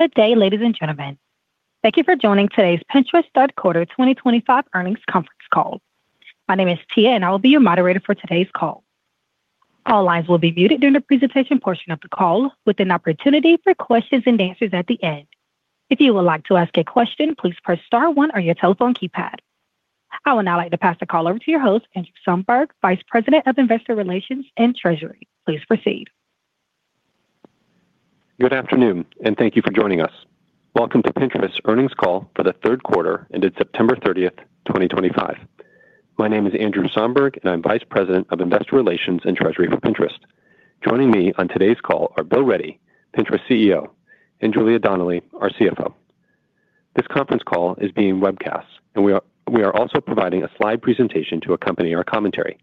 Good day, ladies and gentlemen. Thank you for joining today's Pinterest Third Quarter 2025 Earnings Conference Call. My name is Tia, and I will be your moderator for today's call. All lines will be muted during the presentation portion of the call, with an opportunity for questions and answers at the end. If you would like to ask a question, please press star one on your telephone keypad. I would now like to pass the call over to your host, Andrew Somberg, Vice President of Investor Relations and Treasury. Please proceed. Good afternoon, and thank you for joining us. Welcome to Pinterest's earnings call for the third quarter ended September 30th, 2025. My name is Andrew Somberg, and I'm Vice President of Investor Relations and Treasury for Pinterest. Joining me on today's call are Bill Ready, Pinterest CEO, and Julia Donnelly, our CFO. This conference call is being webcast, and we are also providing a slide presentation to accompany our commentary.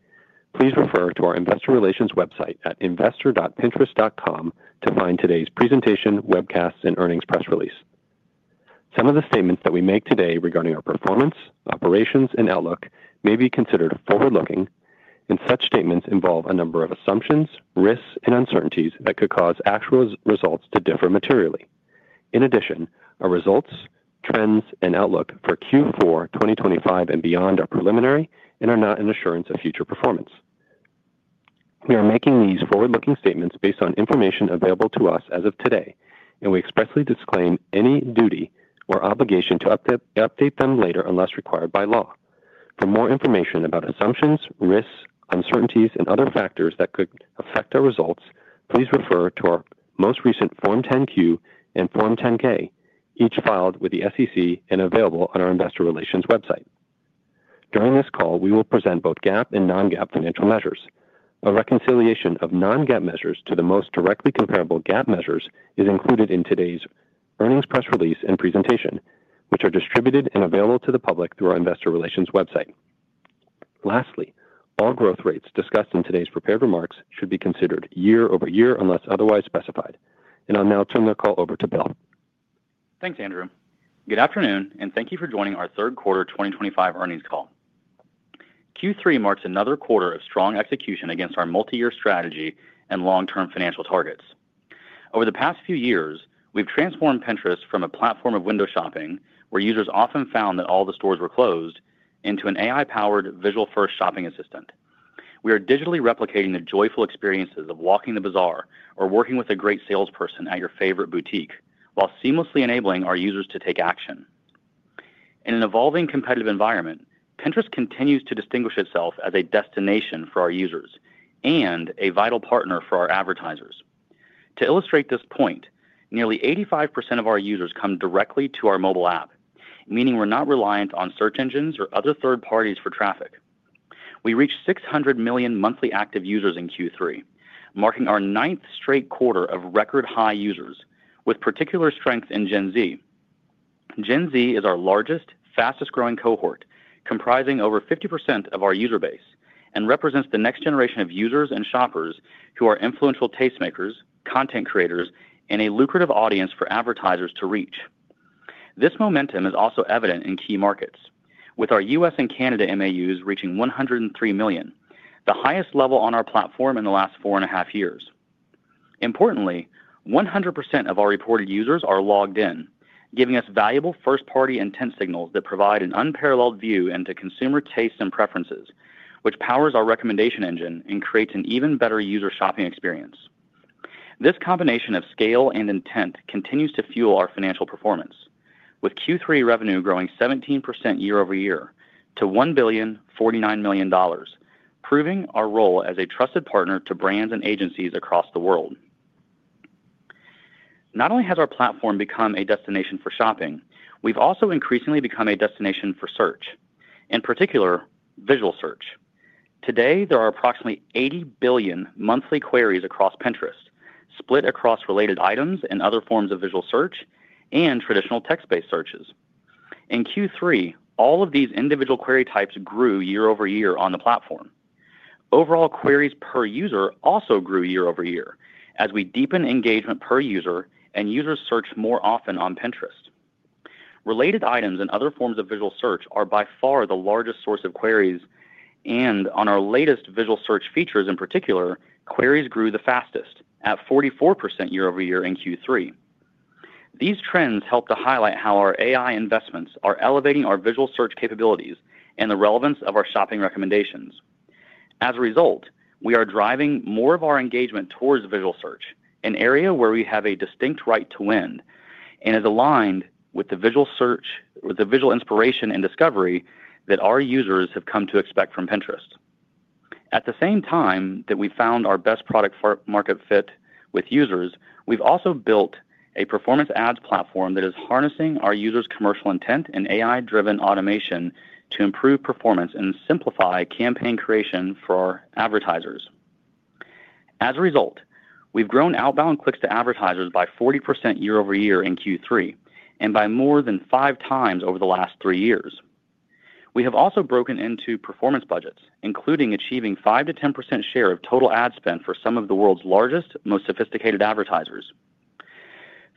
Please refer to our Investor Relations website at investor.pinterest.com to find today's presentation, webcast, and earnings press release. Some of the statements that we make today regarding our performance, operations, and outlook may be considered forward-looking, and such statements involve a number of assumptions, risks, and uncertainties that could cause actual results to differ materially. In addition, our results, trends, and outlook for Q4 2025 and beyond are preliminary and are not an assurance of future performance. We are making these forward-looking statements based on information available to us as of today, and we expressly disclaim any duty or obligation to update them later unless required by law. For more information about assumptions, risks, uncertainties, and other factors that could affect our results, please refer to our most recent Form 10-Q and Form 10-K, each filed with the SEC and available on our Investor Relations website. During this call, we will present both GAAP and non-GAAP financial measures. A reconciliation of non-GAAP measures to the most directly comparable GAAP measures is included in today's earnings press release and presentation, which are distributed and available to the public through our Investor Relations website. Lastly, all growth rates discussed in today's prepared remarks should be considered year-over-year unless otherwise specified. And I'll now turn the call over to Bill. Thanks, Andrew. Good afternoon, and thank you for joining our Third Quarter 2025 Earnings Call. Q3 marks another quarter of strong execution against our multi-year strategy and long-term financial targets. Over the past few years, we have transformed Pinterest from a platform of window shopping, where users often found that all the stores were closed, into an AI-powered visual-first shopping assistant. We are digitally replicating the joyful experiences of walking the bazaar or working with a great salesperson at your favorite boutique, while seamlessly enabling our users to take action. In an evolving competitive environment, Pinterest continues to distinguish itself as a destination for our users and a vital partner for our advertisers. To illustrate this point, nearly 85% of our users come directly to our mobile app, meaning we are not reliant on search engines or other third parties for traffic. We reached 600 million monthly active users in Q3, marking our ninth straight quarter of record-high users, with particular strength in Gen Z. Gen Z is our largest, fastest-growing cohort, comprising over 50% of our user base, and represents the next generation of users and shoppers who are influential tastemakers, content creators, and a lucrative audience for advertisers to reach. This momentum is also evident in key markets, with our U.S. and Canada MAUs reaching 103 million, the highest level on our platform in the last four and a half years. Importantly, 100% of our reported users are logged in, giving us valuable first-party intent signals that provide an unparalleled view into consumer tastes and preferences, which powers our recommendation engine and creates an even better user shopping experience. This combination of scale and intent continues to fuel our financial performance, with Q3 revenue growing 17% year-over-year to $1.049 billion, proving our role as a trusted partner to brands and agencies across the world. Not only has our platform become a destination for shopping, we have also increasingly become a destination for search, in particular visual search. Today, there are approximately 80 billion monthly queries across Pinterest, split across related items and other forms of visual search and traditional text-based searches. In Q3, all of these individual query types grew year-over-year on the platform. Overall queries per user also grew year-over-year as we deepen engagement per user and users search more often on Pinterest. Related items and other forms of visual search are by far the largest source of queries, and on our latest visual search features in particular, queries grew the fastest at 44% year-over-year in Q3. These trends help to highlight how our AI investments are elevating our visual search capabilities and the relevance of our shopping recommendations. As a result, we are driving more of our engagement towards visual search, an area where we have a distinct right to win, and is aligned with the visual inspiration and discovery that our users have come to expect from Pinterest. At the same time that we found our best product-market fit with users, we've also built a performance ads platform that is harnessing our users' commercial intent and AI-driven automation to improve performance and simplify campaign creation for our advertisers. As a result, we've grown outbound clicks to advertisers by 40% year-over-year in Q3 and by more than five times over the last three years. We have also broken into performance budgets, including achieving 5%-10% share of total ad spend for some of the world's largest, most sophisticated advertisers.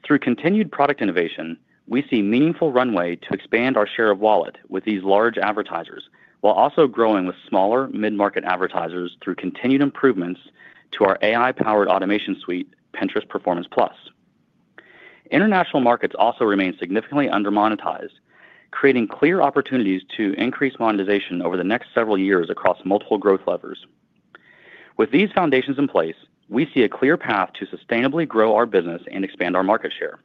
Through continued product innovation, we see a meaningful runway to expand our share of wallet with these large advertisers, while also growing with smaller, mid-market advertisers through continued improvements to our AI-powered automation suite, Pinterest Performance+. International markets also remain significantly undermonetized, creating clear opportunities to increase monetization over the next several years across multiple growth levers. With these foundations in place, we see a clear path to sustainably grow our business and expand our market share.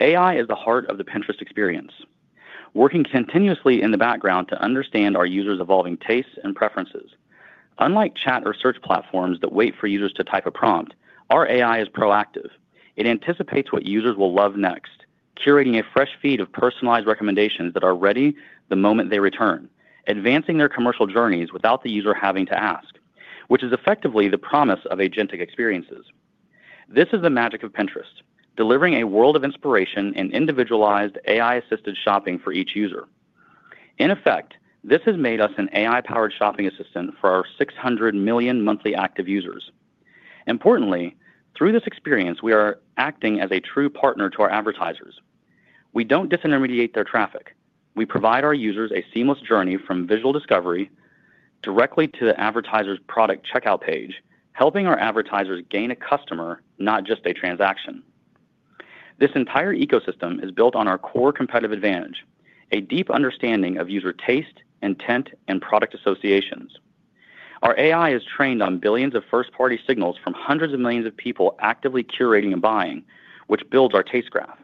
AI is the heart of the Pinterest experience, working continuously in the background to understand our users' evolving tastes and preferences. Unlike chat or search platforms that wait for users to type a prompt, our AI is proactive. It anticipates what users will love next, curating a fresh feed of personalized recommendations that are ready the moment they return, advancing their commercial journeys without the user having to ask, which is effectively the promise of agentic experiences. This is the magic of Pinterest, delivering a world of inspiration and individualized AI-assisted shopping for each user. In effect, this has made us an AI-powered shopping assistant for our 600 million monthly active users. Importantly, through this experience, we are acting as a true partner to our advertisers. We don't disintermediate their traffic. We provide our users a seamless journey from visual discovery directly to the advertiser's product checkout page, helping our advertisers gain a customer, not just a transaction. This entire ecosystem is built on our core competitive advantage, a deep understanding of user taste, intent, and product associations. Our AI is trained on billions of first-party signals from hundreds of millions of people actively curating and buying, which builds our taste graph.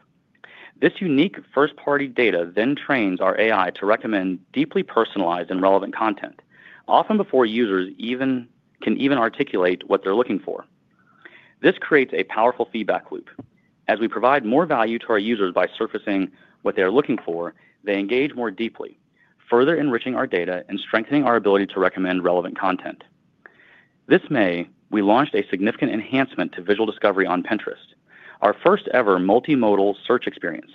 This unique first-party data then trains our AI to recommend deeply personalized and relevant content, often before users can even articulate what they're looking for. This creates a powerful feedback loop. As we provide more value to our users by surfacing what they're looking for, they engage more deeply, further enriching our data and strengthening our ability to recommend relevant content. This May, we launched a significant enhancement to visual discovery on Pinterest, our first-ever multimodal search experience,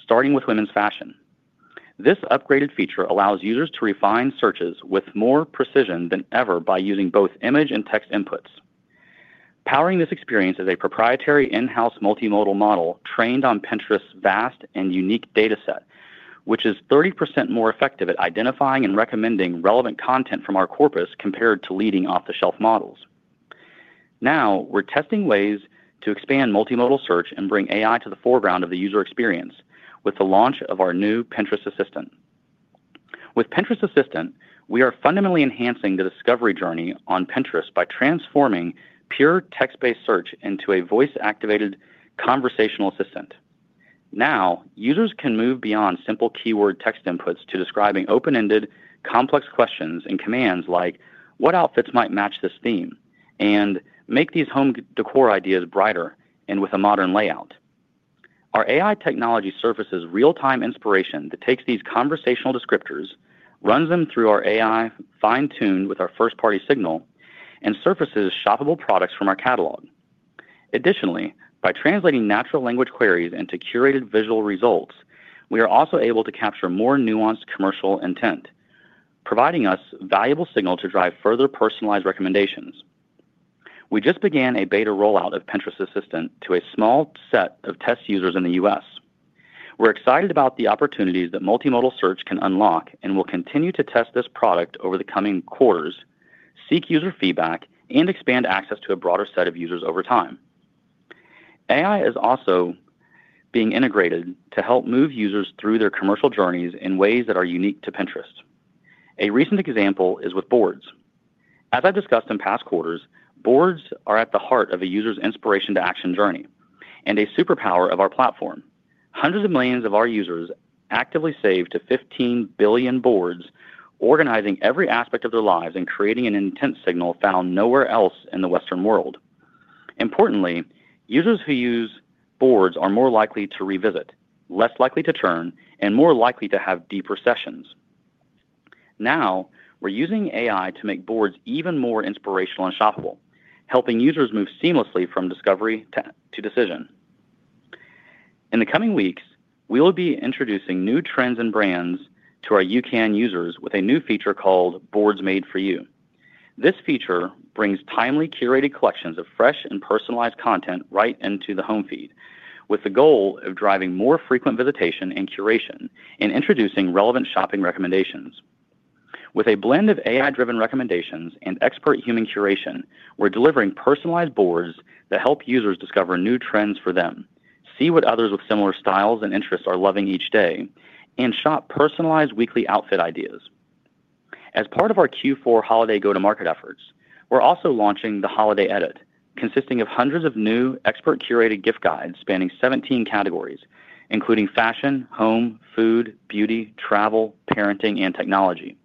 starting with women's fashion. This upgraded feature allows users to refine searches with more precision than ever by using both image and text inputs. Powering this experience is a proprietary in-house multimodal model trained on Pinterest's vast and unique data set, which is 30% more effective at identifying and recommending relevant content from our corpus compared to leading off-the-shelf models. Now, we're testing ways to expand multimodal search and bring AI to the foreground of the user experience with the launch of our new Pinterest Assistant. With Pinterest Assistant, we are fundamentally enhancing the discovery journey on Pinterest by transforming pure text-based search into a voice-activated conversational assistant. Now, users can move beyond simple keyword text inputs to describing open-ended, complex questions and commands like, "What outfits might match this theme?" and make these home decor ideas brighter and with a modern layout. Our AI technology surfaces real-time inspiration that takes these conversational descriptors, runs them through our AI, fine-tuned with our first-party signal, and surfaces shoppable products from our catalog. Additionally, by translating natural language queries into curated visual results, we are also able to capture more nuanced commercial intent, providing us a valuable signal to drive further personalized recommendations. We just began a beta rollout of Pinterest Assistant to a small set of test users in the U.S. We're excited about the opportunities that multimodal search can unlock and will continue to test this product over the coming quarters, seek user feedback, and expand access to a broader set of users over time. AI is also being integrated to help move users through their commercial journeys in ways that are unique to Pinterest. A recent example is with boards. As I discussed in past quarters, boards are at the heart of a user's inspiration-to-action journey and a superpower of our platform. Hundreds of millions of our users actively save to 15 billion boards, organizing every aspect of their lives and creating an intent signal found nowhere else in the Western world. Importantly, users who use boards are more likely to revisit, less likely to churn, and more likely to have deeper sessions. Now, we're using AI to make boards even more inspirational and shoppable, helping users move seamlessly from discovery to decision. In the coming weeks, we will be introducing new trends and brands to our UCAN users with a new feature called Boards Made for You. This feature brings timely curated collections of fresh and personalized content right into the home feed, with the goal of driving more frequent visitation and curation and introducing relevant shopping recommendations. With a blend of AI-driven recommendations and expert human curation, we're delivering personalized boards that help users discover new trends for them, see what others with similar styles and interests are loving each day, and shop personalized weekly outfit ideas. As part of our Q4 holiday go-to-market efforts, we're also launching the Holiday Edit, consisting of hundreds of new expert-curated gift guides spanning 17 categories, including fashion, home, food, beauty, travel, parenting, and technology.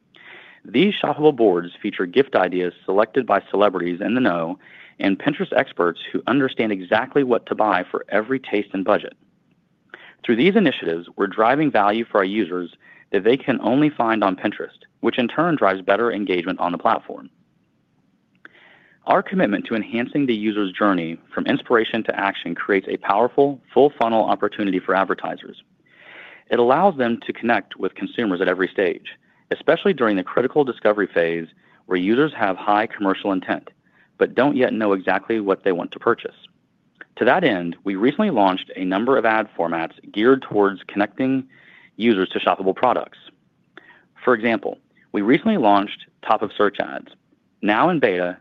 These shoppable boards feature gift ideas selected by celebrities and in the know and Pinterest experts who understand exactly what to buy for every taste and budget. Through these initiatives, we're driving value for our users that they can only find on Pinterest, which in turn drives better engagement on the platform. Our commitment to enhancing the user's journey from inspiration to action creates a powerful, full-funnel opportunity for advertisers. It allows them to connect with consumers at every stage, especially during the critical discovery phase where users have high commercial intent but don't yet know exactly what they want to purchase. To that end, we recently launched a number of ad formats geared towards connecting users to shoppable products. For example, we recently launched Top of Search ads, now in beta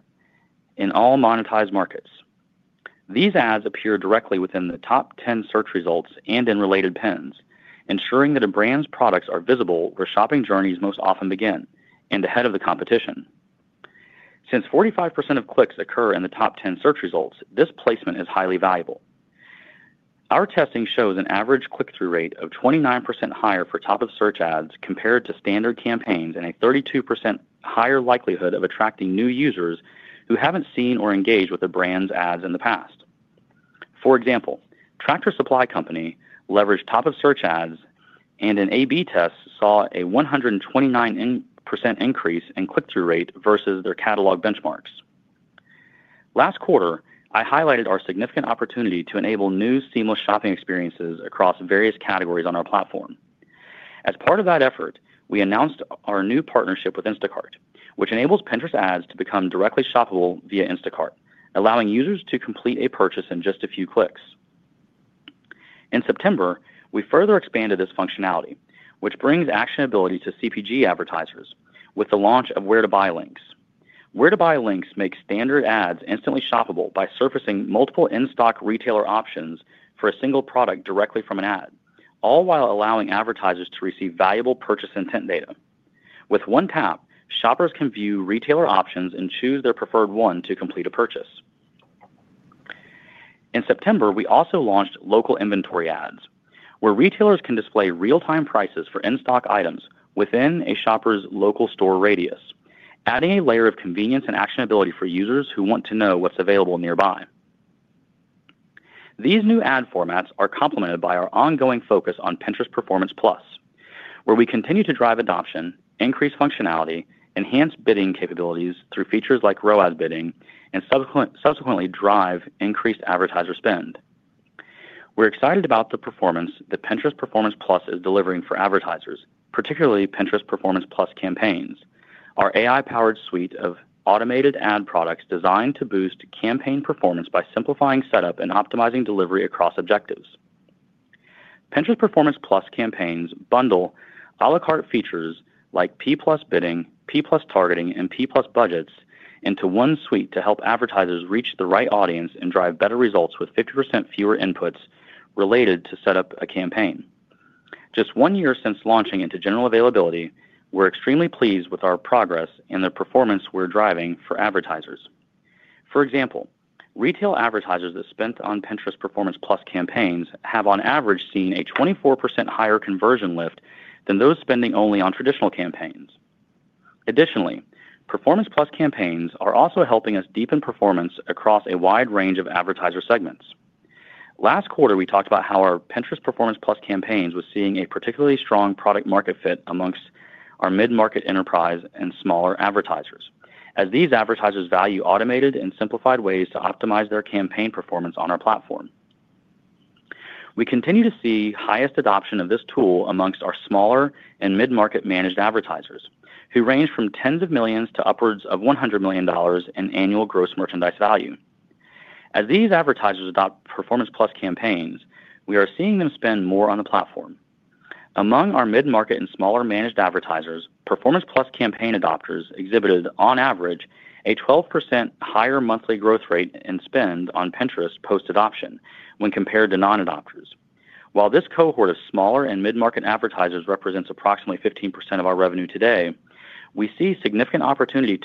in all monetized markets. These ads appear directly within the top 10 search results and in related Pins, ensuring that a brand's products are visible where shopping journeys most often begin and ahead of the competition. Since 45% of clicks occur in the top 10 search results, this placement is highly valuable. Our testing shows an average click-through rate of 29% higher for Top of Search ads compared to standard campaigns and a 32% higher likelihood of attracting new users who haven't seen or engaged with a brand's ads in the past. For example, Tractor Supply Company leveraged Top of Search ads, and an A/B test saw a 129% increase in click-through rate versus their catalog benchmarks. Last quarter, I highlighted our significant opportunity to enable new seamless shopping experiences across various categories on our platform. As part of that effort, we announced our new partnership with Instacart, which enables Pinterest ads to become directly shoppable via Instacart, allowing users to complete a purchase in just a few clicks. In September, we further expanded this functionality, which brings actionability to CPG advertisers with the launch of Where to Buy Links. Where to Buy Links makes standard ads instantly shoppable by surfacing multiple in-stock retailer options for a single product directly from an ad, all while allowing advertisers to receive valuable purchase intent data. With one tap, shoppers can view retailer options and choose their preferred one to complete a purchase. In September, we also launched Local inventory ads, where retailers can display real-time prices for in-stock items within a shopper's local store radius, adding a layer of convenience and actionability for users who want to know what's available nearby. These new ad formats are complemented by our ongoing focus on Pinterest Performance+, where we continue to drive adoption, increase functionality, enhance bidding capabilities through features like ROAS Bidding, and subsequently drive increased advertiser spend. We're excited about the performance that Pinterest Performance+ is delivering for advertisers, particularly Pinterest Performance+ campaigns, our AI-powered suite of automated ad products designed to boost campaign performance by simplifying setup and optimizing delivery across objectives. Pinterest Performance+ campaigns bundle à la carte features like P+ bidding, P+ targeting, and P+ budgets into one suite to help advertisers reach the right audience and drive better results with 50% fewer inputs related to set up a campaign. Just one year since launching into general availability, we're extremely pleased with our progress and the performance we're driving for advertisers. For example, retail advertisers that spent on Pinterest Performance+ campaigns have, on average, seen a 24% higher conversion lift than those spending only on traditional campaigns. Additionally, Performance+ campaigns are also helping us deepen performance across a wide range of advertiser segments. Last quarter, we talked about how our Pinterest Performance+ campaigns were seeing a particularly strong product-market fit among our mid-market enterprise and smaller advertisers, as these advertisers value automated and simplified ways to optimize their campaign performance on our platform. We continue to see highest adoption of this tool among our smaller and mid-market managed advertisers, who range from tens of millions to upwards of $100 million in annual gross merchandise value. As these advertisers adopt Performance+ campaigns, we are seeing them spend more on the platform. Among our mid-market and smaller managed advertisers, Performance+ campaign adopters exhibited, on average, a 12% higher monthly growth rate in spend on Pinterest post-adoption when compared to non-adopters. While this cohort of smaller and mid-market advertisers represents approximately 15% of our revenue today, we see significant opportunity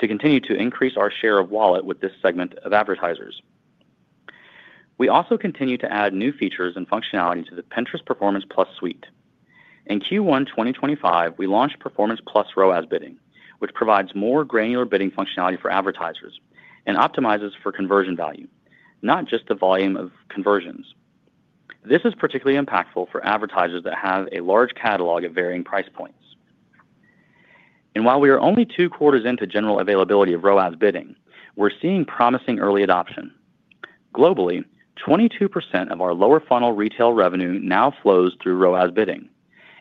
to continue to increase our share of wallet with this segment of advertisers. We also continue to add new features and functionality to the Pinterest Performance+ suite. In Q1 2025, we launched Performance+ ROAS bidding, which provides more granular bidding functionality for advertisers and optimizes for conversion value, not just the volume of conversions. This is particularly impactful for advertisers that have a large catalog at varying price points. While we are only two quarters into general availability of ROAS bidding, we're seeing promising early adoption. Globally, 22% of our lower-funnel retail revenue now flows through ROAS bidding.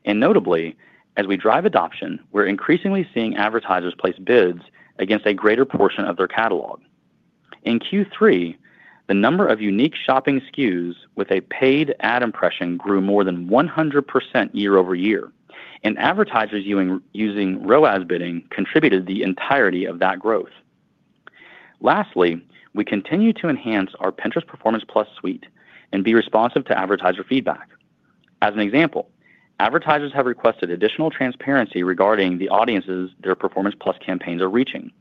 Notably, as we drive adoption, we're increasingly seeing advertisers place bids against a greater portion of their catalog. In Q3, the number of unique shopping SKUs with a paid ad impression grew more than 100% year-over-year, and advertisers using ROAS bidding contributed the entirety of that growth. Lastly, we continue to enhance our Pinterest Performance+ suite and be responsive to advertiser feedback. As an example, advertisers have requested additional transparency regarding the audiences their Performance+ campaigns are reaching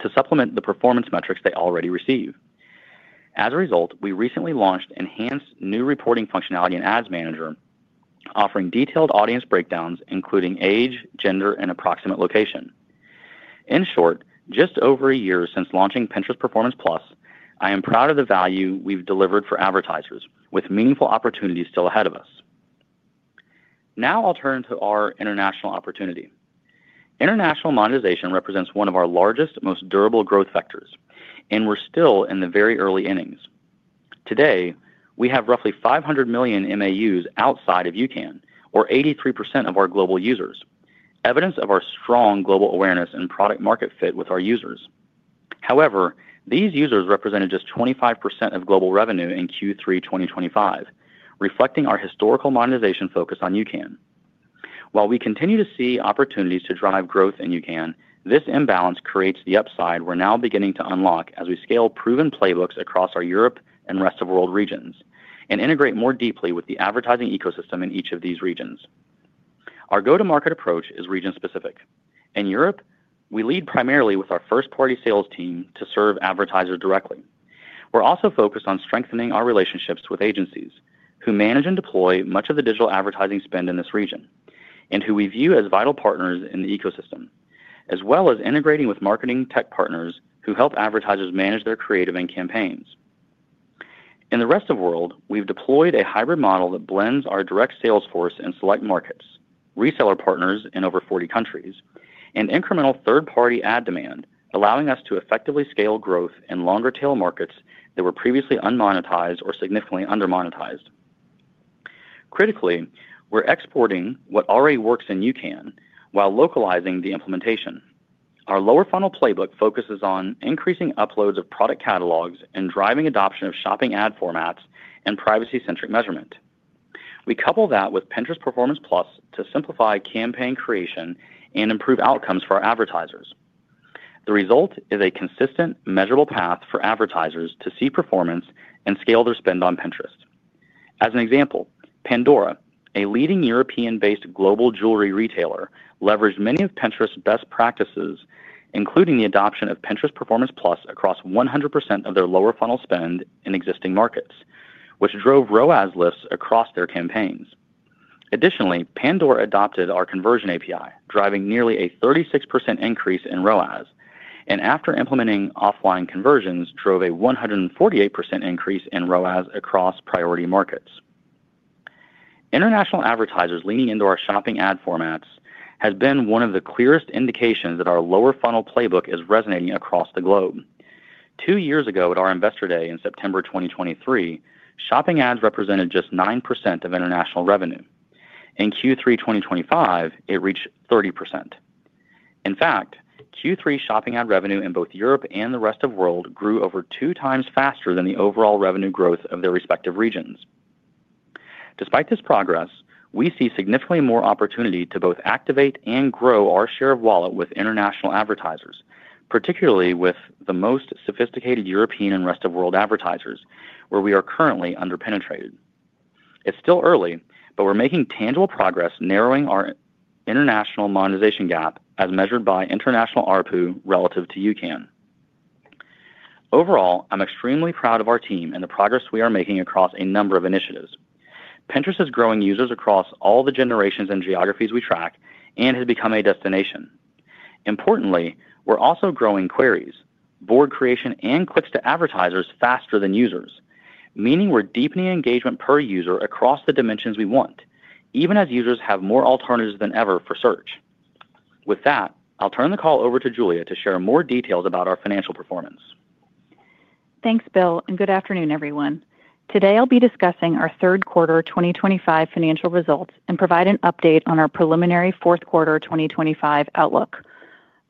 to supplement the performance metrics they already receive. As a result, we recently launched enhanced new reporting functionality in Ads Manager, offering detailed audience breakdowns, including age, gender, and approximate location. In short, just over a year since launching Pinterest Performance+, I am proud of the value we've delivered for advertisers, with meaningful opportunities still ahead of us. Now I'll turn to our international opportunity. International monetization represents one of our largest, most durable growth factors, and we're still in the very early innings. Today, we have roughly 500 million MAUs outside of UCAN, or 83% of our global users, evidence of our strong global awareness and product-market fit with our users. However, these users represented just 25% of global revenue in Q3 2025, reflecting our historical monetization focus on UCAN. While we continue to see opportunities to drive growth in UCAN, this imbalance creates the upside we're now beginning to unlock as we scale proven playbooks across our Europe and rest of world regions and integrate more deeply with the advertising ecosystem in each of these regions. Our go-to-market approach is region-specific. In Europe, we lead primarily with our first-party sales team to serve advertisers directly. We're also focused on strengthening our relationships with agencies who manage and deploy much of the digital advertising spend in this region and who we view as vital partners in the ecosystem, as well as integrating with marketing tech partners who help advertisers manage their creative and campaigns. In the rest of the world, we've deployed a hybrid model that blends our direct sales force in select markets, reseller partners in over 40 countries, and incremental third-party ad demand, allowing us to effectively scale growth in longer-tail markets that were previously unmonetized or significantly undermonetized. Critically, we're exporting what already works in UCAN while localizing the implementation. Our lower-funnel playbook focuses on increasing uploads of product catalogs and driving adoption of shopping ad formats and privacy-centric measurement. We couple that with Pinterest Performance+ to simplify campaign creation and improve outcomes for our advertisers. The result is a consistent, measurable path for advertisers to see performance and scale their spend on Pinterest. As an example, Pandora, a leading European-based global jewelry retailer, leveraged many of Pinterest's best practices, including the adoption of Pinterest Performance+ across 100% of their lower-funnel spend in existing markets, which drove ROAS lifts across their campaigns. Additionally, Pandora adopted our Conversion API, driving nearly a 36% increase in ROAS, and after implementing offline conversions, drove a 148% increase in ROAS across priority markets. International advertisers leaning into our shopping ad formats has been one of the clearest indications that our lower-funnel playbook is resonating across the globe. Two years ago, at our Investor Day in September 2023, shopping ads represented just 9% of international revenue. In Q3 2025, it reached 30%. In fact, Q3 shopping ad revenue in both Europe and the rest of the world grew over two times faster than the overall revenue growth of their respective regions. Despite this progress, we see significantly more opportunity to both activate and grow our share of wallet with international advertisers, particularly with the most sophisticated European and rest of world advertisers, where we are currently underpenetrated. It's still early, but we're making tangible progress narrowing our international monetization gap as measured by international ARPU relative to UCAN. Overall, I'm extremely proud of our team and the progress we are making across a number of initiatives. Pinterest is growing users across all the generations and geographies we track and has become a destination. Importantly, we're also growing queries, board creation, and clicks to advertisers faster than users, meaning we're deepening engagement per user across the dimensions we want, even as users have more alternatives than ever for search. With that, I'll turn the call over to Julia to share more details about our financial performance. Thanks, Bill, and good afternoon, everyone. Today, I'll be discussing our third quarter 2025 financial results and provide an update on our preliminary fourth quarter 2025 outlook.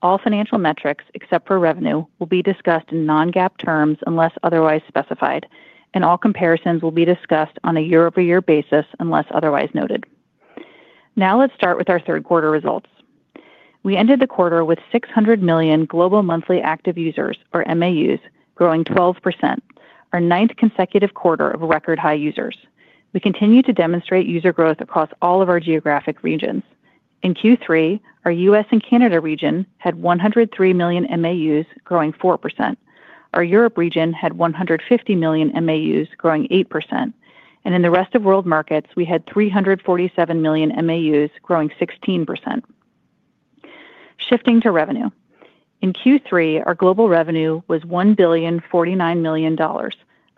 All financial metrics, except for revenue, will be discussed in non-GAAP terms unless otherwise specified, and all comparisons will be discussed on a year-over-year basis unless otherwise noted. Now let's start with our third quarter results. We ended the quarter with 600 million global monthly active users, or MAUs, growing 12%, our ninth consecutive quarter of record-high users. We continue to demonstrate user growth across all of our geographic regions. In Q3, our US and Canada region had 103 million MAUs, growing 4%. Our Europe region had 150 million MAUs, growing 8%. And in the rest of world markets, we had 347 million MAUs, growing 16%. Shifting to revenue. In Q3, our global revenue was $1.049 billion,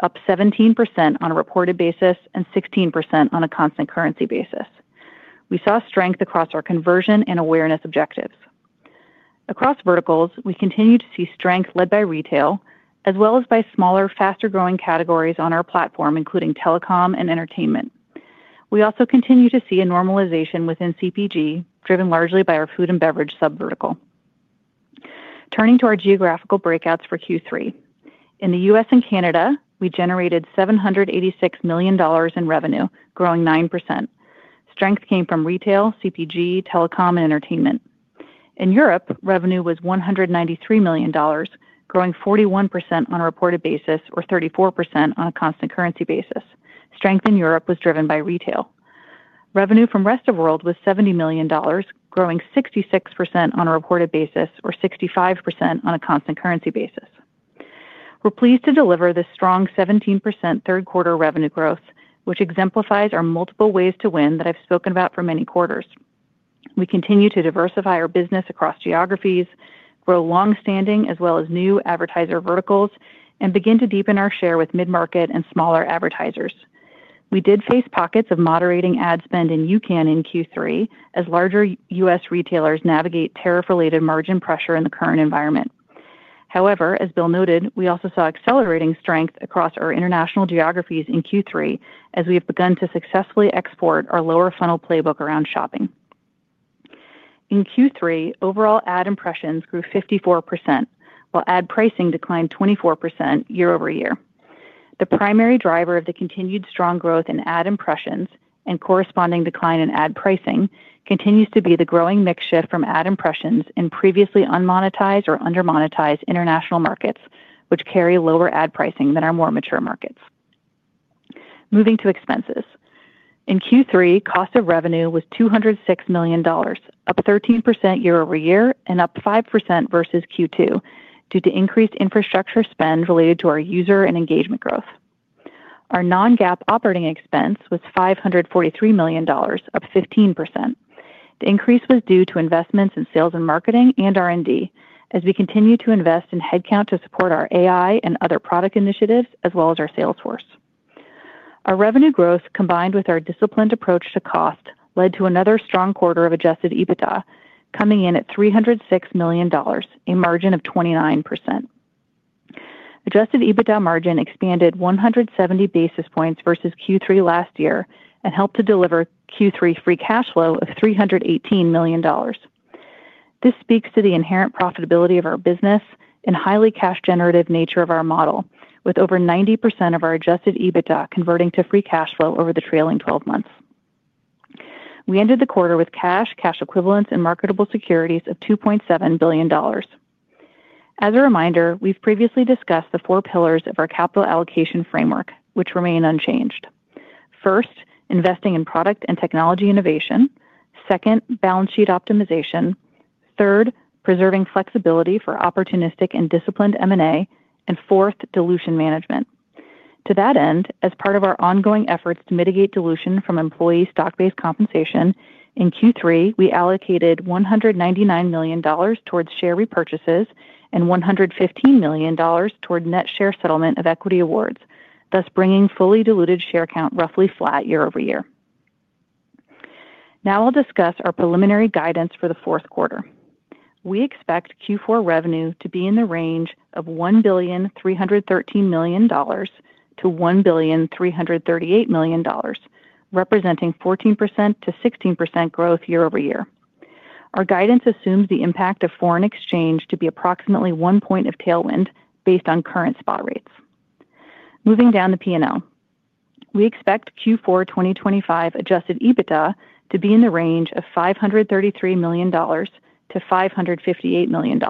up 17% on a reported basis and 16% on a constant currency basis. We saw strength across our conversion and awareness objectives. Across verticals, we continue to see strength led by retail, as well as by smaller, faster-growing categories on our platform, including telecom and entertainment. We also continue to see a normalization within CPG, driven largely by our food and beverage subvertical. Turning to our geographical breakouts for Q3. In the U.S. and Canada, we generated $786 million in revenue, growing 9%. Strength came from retail, CPG, telecom, and entertainment. In Europe, revenue was $193 million, growing 41% on a reported basis, or 34% on a constant currency basis. Strength in Europe was driven by retail. Revenue from rest of world was $70 million, growing 66% on a reported basis, or 65% on a constant currency basis. We're pleased to deliver this strong 17% third-quarter revenue growth, which exemplifies our multiple ways to win that I've spoken about for many quarters. We continue to diversify our business across geographies, grow longstanding as well as new advertiser verticals, and begin to deepen our share with mid-market and smaller advertisers. We did face pockets of moderating ad spend in UCAN in Q3 as larger US retailers navigate tariff-related margin pressure in the current environment. However, as Bill noted, we also saw accelerating strength across our international geographies in Q3 as we have begun to successfully export our lower-funnel playbook around shopping. In Q3, overall ad impressions grew 54%, while ad pricing declined 24% year-over-year. The primary driver of the continued strong growth in ad impressions and corresponding decline in ad pricing continues to be the growing mix shift from ad impressions in previously unmonetized or undermonetized international markets, which carry lower ad pricing than our more mature markets. Moving to expenses. In Q3, cost of revenue was $206 million, up 13% year-over-year and up 5% versus Q2 due to increased infrastructure spend related to our user and engagement growth. Our non-GAAP operating expense was $543 million, up 15%. The increase was due to investments in sales and marketing and R&D, as we continue to invest in headcount to support our AI and other product initiatives, as well as our sales force. Our revenue growth, combined with our disciplined approach to cost, led to another strong quarter of Adjusted EBITDA, coming in at $306 million, a margin of 29%. Adjusted EBITDA margin expanded 170 basis points versus Q3 last year and helped to deliver Q3 free cash flow of $318 million. This speaks to the inherent profitability of our business and highly cash-generative nature of our model, with over 90% of our Adjusted EBITDA converting to free cash flow over the trailing 12 months. We ended the quarter with cash, cash equivalents, and marketable securities of $2.7 billion. As a reminder, we've previously discussed the four pillars of our capital allocation framework, which remain unchanged. First, investing in product and technology innovation. Second, balance sheet optimization. Third, preserving flexibility for opportunistic and disciplined M&A. And fourth, dilution management. To that end, as part of our ongoing efforts to mitigate dilution from employee stock-based compensation, in Q3, we allocated $199 million towards share repurchases and $115 million toward net share settlement of equity awards, thus bringing fully diluted share count roughly flat year-over-year. Now I'll discuss our preliminary guidance for the fourth quarter. We expect Q4 revenue to be in the range of $1,313 million-$1,338 million. Representing 14%-16% growth year-over-year. Our guidance assumes the impact of foreign exchange to be approximately one point of tailwind based on current spot rates. Moving down the P&L, we expect Q4 2025 Adjusted EBITDA to be in the range of $533 million-$558 million.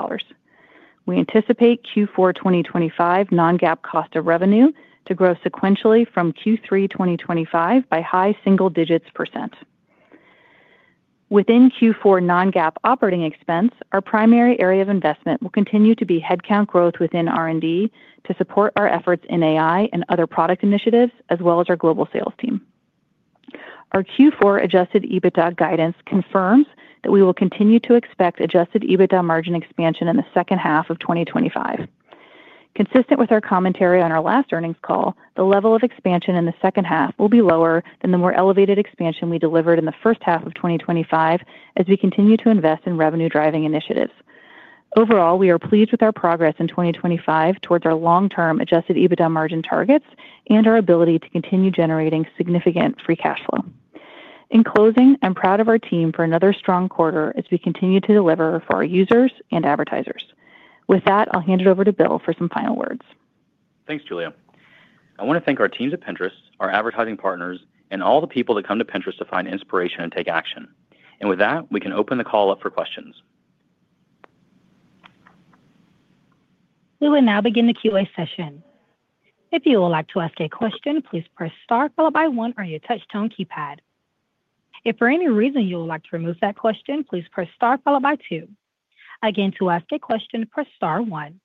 We anticipate Q4 2025 non-GAAP cost of revenue to grow sequentially from Q3 2025 by high single digits percent. Within Q4 non-GAAP operating expense, our primary area of investment will continue to be headcount growth within R&D to support our efforts in AI and other product initiatives, as well as our global sales team. Our Q4 Adjusted EBITDA guidance confirms that we will continue to expect Adjusted EBITDA margin expansion in the second half of 2025. Consistent with our commentary on our last earnings call, the level of expansion in the second half will be lower than the more elevated expansion we delivered in the first half of 2025 as we continue to invest in revenue-driving initiatives. Overall, we are pleased with our progress in 2025 towards our long-term Adjusted EBITDA margin targets and our ability to continue generating significant free cash flow. In closing, I'm proud of our team for another strong quarter as we continue to deliver for our users and advertisers. With that, I'll hand it over to Bill for some final words. Thanks, Julia. I want to thank our teams at Pinterest, our advertising partners, and all the people that come to Pinterest to find inspiration and take action. And with that, we can open the call up for questions. We will now begin the Q&A session. If you would like to ask a question, please press Star followed by 1 on your touch-tone keypad. If for any reason you would like to remove that question, please press Star followed by 2. Again, to ask a question, press Star 1.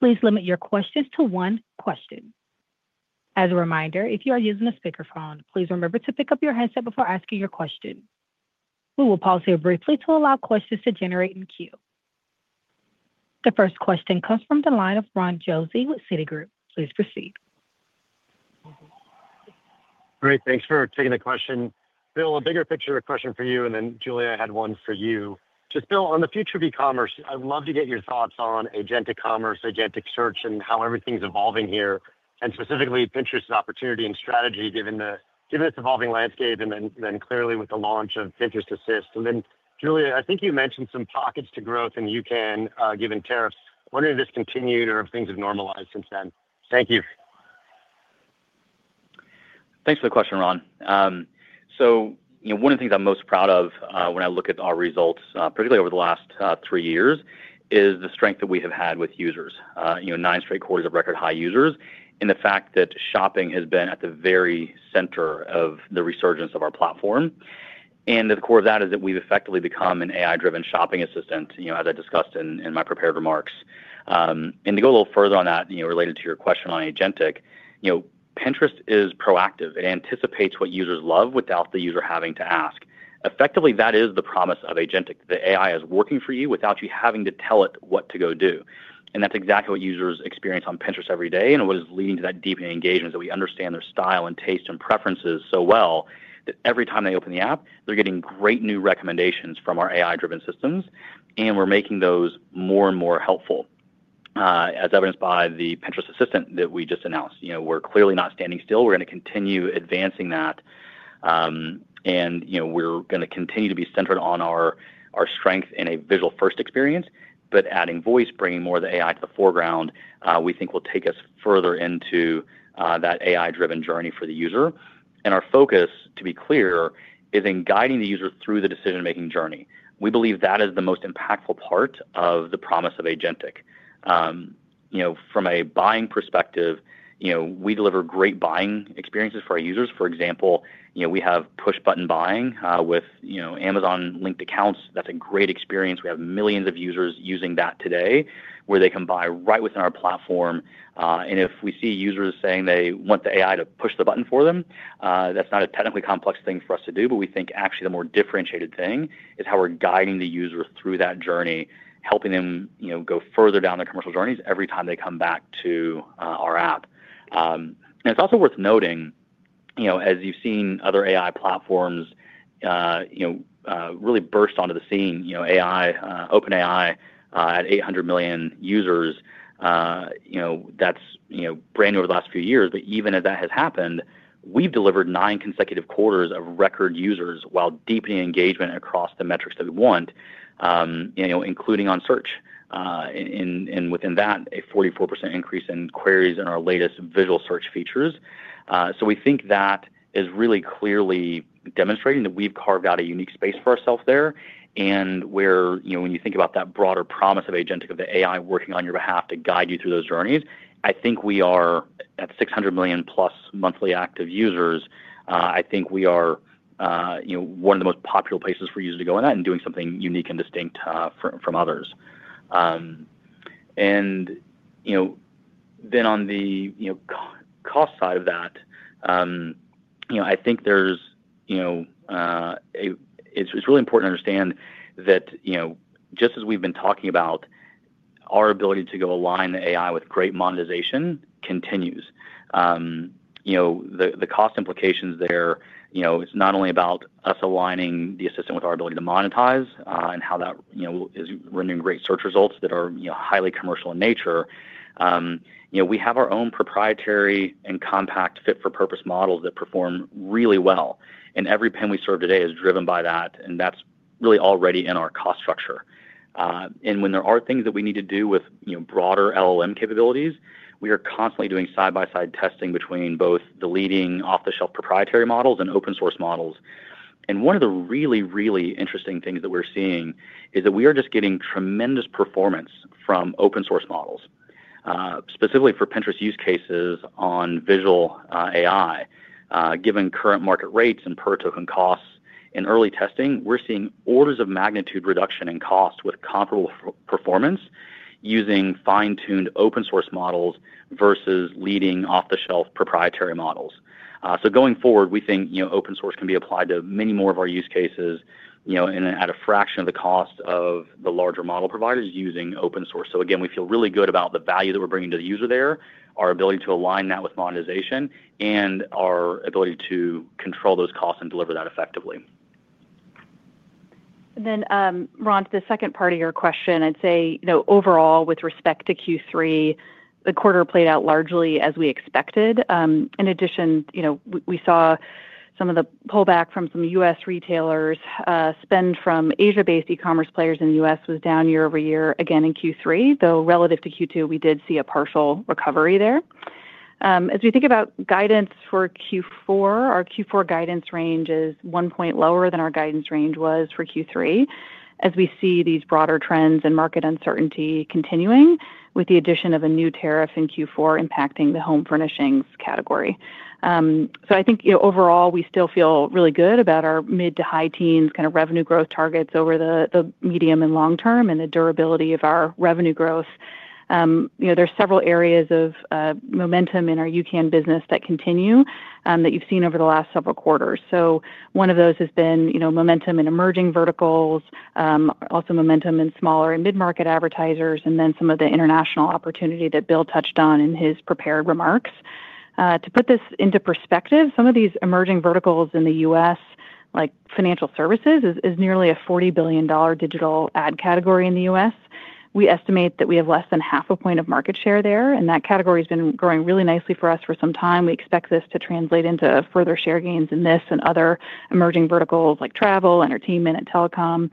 Please limit your questions to one question. As a reminder, if you are using a speakerphone, please remember to pick up your headset before asking your question. We will pause here briefly to allow questions to generate in queue. The first question comes from the line of Ron Josey with Citi. Please proceed. Great. Thanks for taking the question. Bill, a bigger picture question for you, and then Julia had one for you. Just, Bill, on the future of e-commerce, I'd love to get your thoughts on agentic commerce, agentic search, and how everything's evolving here, and specifically Pinterest's opportunity and strategy given its evolving landscape and then clearly with the launch of Pinterest Assistant. And then, Julia, I think you mentioned some pockets of growth in UCAN given tariffs. I'm wondering if this continued or if things have normalized since then. Thank you. Thanks for the question, Ron. So one of the things I'm most proud of when I look at our results, particularly over the last three years, is the strength that we have had with users, nine straight quarters of record-high users, and the fact that shopping has been at the very center of the resurgence of our platform. And the core of that is that we've effectively become an AI-driven shopping assistant, as I discussed in my prepared remarks. And to go a little further on that, related to your question on agentic, Pinterest is proactive. It anticipates what users love without the user having to ask. Effectively, that is the promise of agentic. The AI is working for you without you having to tell it what to go do. And that's exactly what users experience on Pinterest every day and what is leading to that deepening engagement is that we understand their style and taste and preferences so well that every time they open the app, they're getting great new recommendations from our AI-driven systems, and we're making those more and more helpful. As evidenced by the Pinterest Assistant that we just announced. We're clearly not standing still. We're going to continue advancing that. And we're going to continue to be centered on our strength in a visual-first experience, but adding voice, bringing more of the AI to the foreground, we think will take us further into that AI-driven journey for the user. And our focus, to be clear, is in guiding the user through the decision-making journey. We believe that is the most impactful part of the promise of agentic. From a buying perspective, we deliver great buying experiences for our users. For example, we have push button buying with Amazon-linked accounts. That's a great experience. We have millions of users using that today, where they can buy right within our platform. And if we see users saying they want the AI to push the button for them, that's not a technically complex thing for us to do, but we think actually the more differentiated thing is how we're guiding the user through that journey, helping them go further down their commercial journeys every time they come back to our app. And it's also worth noting, as you've seen other AI platforms really burst onto the scene, OpenAI at 800 million users. That's brand new over the last few years. But even as that has happened, we've delivered nine consecutive quarters of record users while deepening engagement across the metrics that we want, including on search. And within that, a 44% increase in queries in our latest visual search features. So we think that is really clearly demonstrating that we've carved out a unique space for ourselves there. And when you think about that broader promise of agentic, of the AI working on your behalf to guide you through those journeys, I think we are at 600 million+ monthly active users. I think we are one of the most popular places for users to go in that and doing something unique and distinct from others. And then on the cost side of that, I think it's really important to understand that, just as we've been talking about, our ability to align the AI with great monetization continues. The cost implications there is not only about us aligning the assistant with our ability to monetize and how that is rendering great search results that are highly commercial in nature. We have our own proprietary and compact fit-for-purpose models that perform really well. And every pin we serve today is driven by that, and that's really already in our cost structure. And when there are things that we need to do with broader LLM capabilities, we are constantly doing side-by-side testing between both the leading off-the-shelf proprietary models and open-source models. And one of the really, really interesting things that we're seeing is that we are just getting tremendous performance from open-source models, specifically for Pinterest use cases on visual AI. Given current market rates and per token costs in early testing, we're seeing orders of magnitude reduction in cost with comparable performance using fine-tuned open-source models versus leading off-the-shelf proprietary models. So going forward, we think open-source can be applied to many more of our use cases. At a fraction of the cost of the larger model providers using open-source. So again, we feel really good about the value that we're bringing to the user there, our ability to align that with monetization, and our ability to control those costs and deliver that effectively. And then, Ron, to the second part of your question, I'd say overall, with respect to Q3, the quarter played out largely as we expected. In addition, we saw some of the pullback from some U.S. retailers. Spend from Asia-based e-commerce players in the U.S. was down year-over-year again in Q3, though relative to Q2, we did see a partial recovery there. As we think about guidance for Q4, our Q4 guidance range is one point lower than our guidance range was for Q3, as we see these broader trends and market uncertainty continuing with the addition of a new tariff in Q4 impacting the home furnishings category. So I think overall, we still feel really good about our mid- to high-teens kind of revenue growth targets over the medium and long term and the durability of our revenue growth. There's several areas of momentum in our UCAN business that continue that you've seen over the last several quarters. So one of those has been momentum in emerging verticals. Also momentum in smaller and mid-market advertisers, and then some of the international opportunity that Bill touched on in his prepared remarks. To put this into perspective, some of these emerging verticals in the U.S., like financial services, is nearly a $40 billion digital ad category in the U.S. We estimate that we have less than half a point of market share there, and that category has been growing really nicely for us for some time. We expect this to translate into further share gains in this and other emerging verticals like travel, entertainment, and telecom.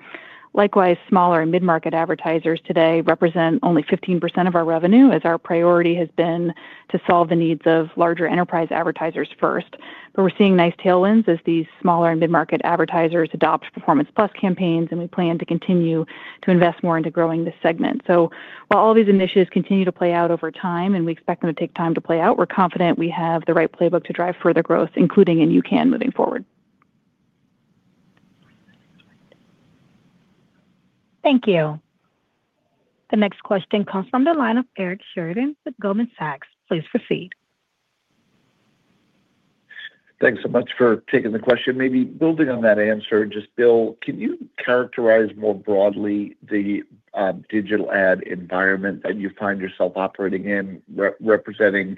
Likewise, smaller and mid-market advertisers today represent only 15% of our revenue, as our priority has been to solve the needs of larger enterprise advertisers first. But we're seeing nice tailwinds as these smaller and mid-market advertisers adopt Performance+ campaigns, and we plan to continue to invest more into growing this segment. So while all these initiatives continue to play out over time and we expect them to take time to play out, we're confident we have the right playbook to drive further growth, including in UCAN moving forward. Thank you. The next question comes from the line of Eric Sheridan with Goldman Sachs. Please proceed. Thanks so much for taking the question. Maybe building on that answer, just Bill, can you characterize more broadly the. Digital ad environment that you find yourself operating in, representing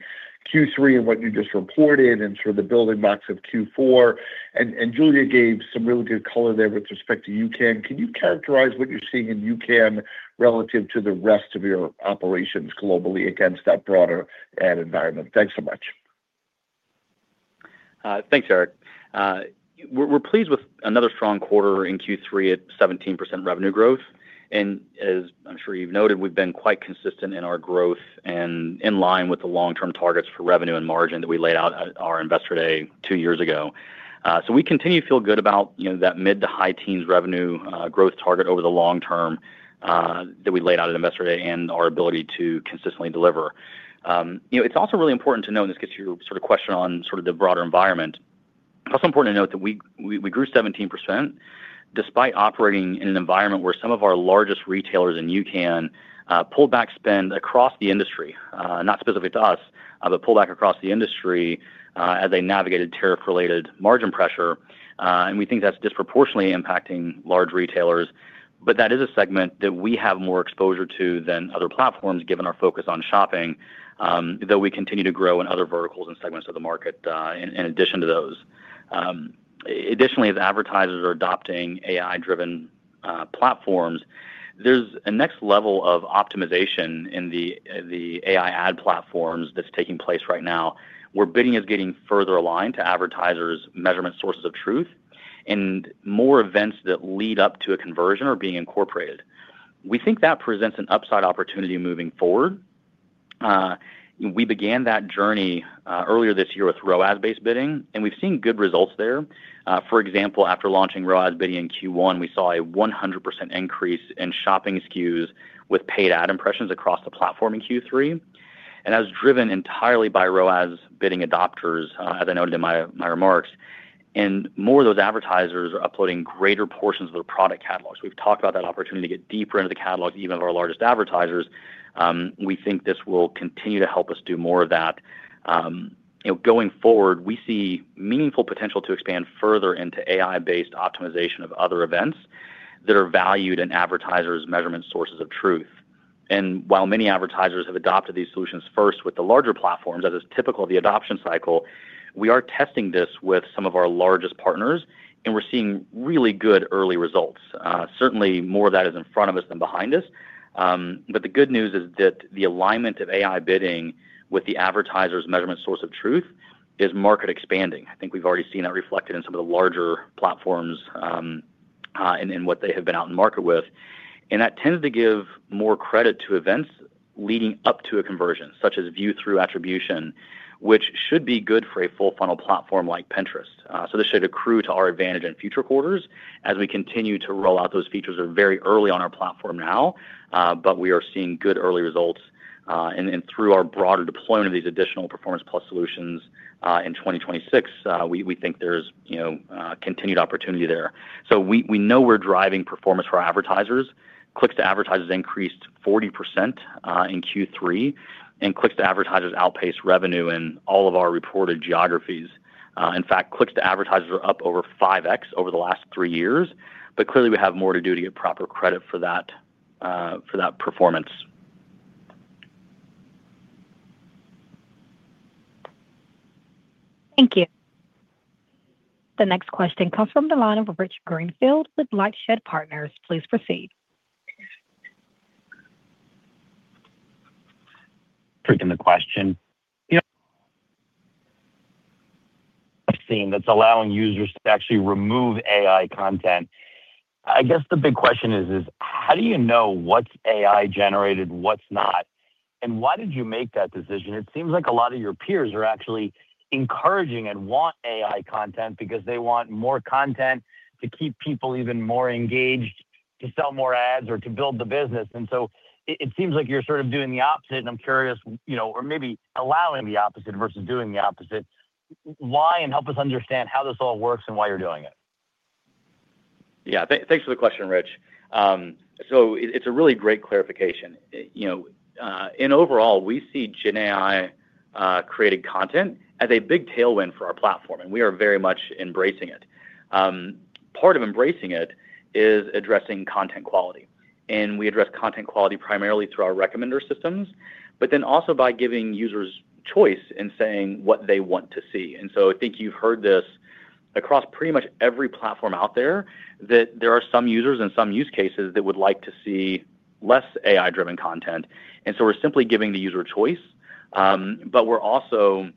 Q3 and what you just reported and sort of the building blocks of Q4? And Julia gave some really good color there with respect to UCAN. Can you characterize what you're seeing in UCAN relative to the rest of your operations globally against that broader ad environment? Thanks so much. Thanks, Eric. We're pleased with another strong quarter in Q3 at 17% revenue growth. And as I'm sure you've noted, we've been quite consistent in our growth and in line with the long-term targets for revenue and margin that we laid out at our investor day two years ago. So we continue to feel good about that mid to high teens revenue growth target over the long term. That we laid out at investor day and our ability to consistently deliver. It's also really important to note, and this gets to your sort of question on sort of the broader environment, it's also important to note that we grew 17%. Despite operating in an environment where some of our largest retailers in UCAN pulled back spend across the industry, not specific to us, but pulled back across the industry as they navigated tariff-related margin pressure. And we think that's disproportionately impacting large retailers. But that is a segment that we have more exposure to than other platforms, given our focus on shopping, though we continue to grow in other verticals and segments of the market in addition to those. Additionally, as advertisers are adopting AI-driven platforms, there's a next level of optimization in the AI ad platforms that's taking place right now where bidding is getting further aligned to advertisers' measurement sources of truth and more events that lead up to a conversion are being incorporated. We think that presents an upside opportunity moving forward. We began that journey earlier this year with ROAS bidding, and we've seen good results there. For example, after launching ROAS bidding in Q1, we saw a 100% increase in shopping SKUs with paid ad impressions across the platform in Q3. And that was driven entirely by ROAS bidding adopters, as I noted in my remarks. And more of those advertisers are uploading greater portions of their product catalogs. We've talked about that opportunity to get deeper into the catalogs, even of our largest advertisers. We think this will continue to help us do more of that. Going forward, we see meaningful potential to expand further into AI-based optimization of other events that are valued in advertisers' measurement sources of truth. And while many advertisers have adopted these solutions first with the larger platforms, as is typical of the adoption cycle, we are testing this with some of our largest partners, and we're seeing really good early results. Certainly, more of that is in front of us than behind us. But the good news is that the alignment of AI bidding with the advertiser's measurement source of truth is market-expanding. I think we've already seen that reflected in some of the larger platforms. And what they have been out in the market with. And that tends to give more credit to events leading up to a conversion, such as view-through attribution, which should be good for a full-funnel platform like Pinterest. So this should accrue to our advantage in future quarters as we continue to roll out those features. We're very early on our platform now, but we are seeing good early results. And through our broader deployment of these additional Performance+ solutions in 2026, we think there's continued opportunity there. So we know we're driving performance for our advertisers. Clicks to advertisers increased 40% in Q3, and clicks to advertisers outpaced revenue in all of our reported geographies. In fact, clicks to advertisers are up over 5x over the last three years, but clearly, we have more to do to get proper credit for that performance. Thank you. The next question comes from the line of Rich Greenfield with LightShed Ventures. Please proceed. Taking the question. A setting that's allowing users to actually remove AI content. I guess the big question is, how do you know what's AI-generated, what's not? And why did you make that decision? It seems like a lot of your peers are actually encouraging and want AI content because they want more content to keep people even more engaged, to sell more ads, or to build the business. And so it seems like you're sort of doing the opposite, and I'm curious, or maybe allowing the opposite versus doing the opposite. Why? And help us understand how this all works and why you're doing it. Yeah. Thanks for the question, Rich. So it's a really great clarification. And overall, we see GenAI-created content as a big tailwind for our platform, and we are very much embracing it. Part of embracing it is addressing content quality. And we address content quality primarily through our recommender systems, but then also by giving users choice in saying what they want to see. And so I think you've heard this across pretty much every platform out there, that there are some users and some use cases that would like to see less AI-driven content. And so we're simply giving the user choice. But we're also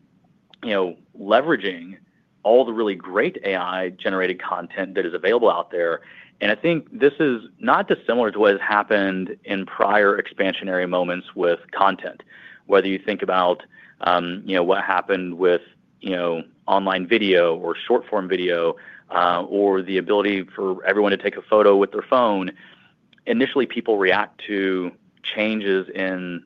leveraging all the really great AI-generated content that is available out there. And I think this is not dissimilar to what has happened in prior expansionary moments with content, whether you think about what happened with online video or short-form video or the ability for everyone to take a photo with their phone. Initially, people react to changes in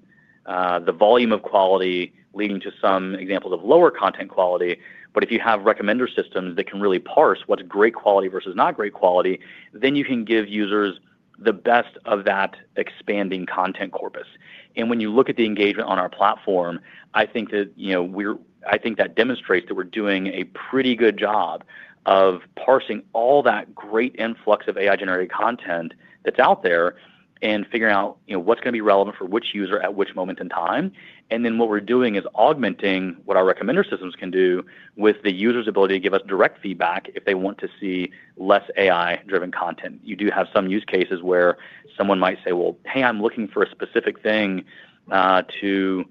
the volume of quality leading to some examples of lower content quality. But if you have recommender systems that can really parse what's great quality versus not great quality, then you can give users the best of that expanding content corpus. And when you look at the engagement on our platform, I think that. I think that demonstrates that we're doing a pretty good job of parsing all that great influx of AI-generated content that's out there and figuring out what's going to be relevant for which user at which moment in time. And then what we're doing is augmenting what our recommender systems can do with the user's ability to give us direct feedback if they want to see less AI-driven content. You do have some use cases where someone might say, "Well, hey, I'm looking for a specific thing to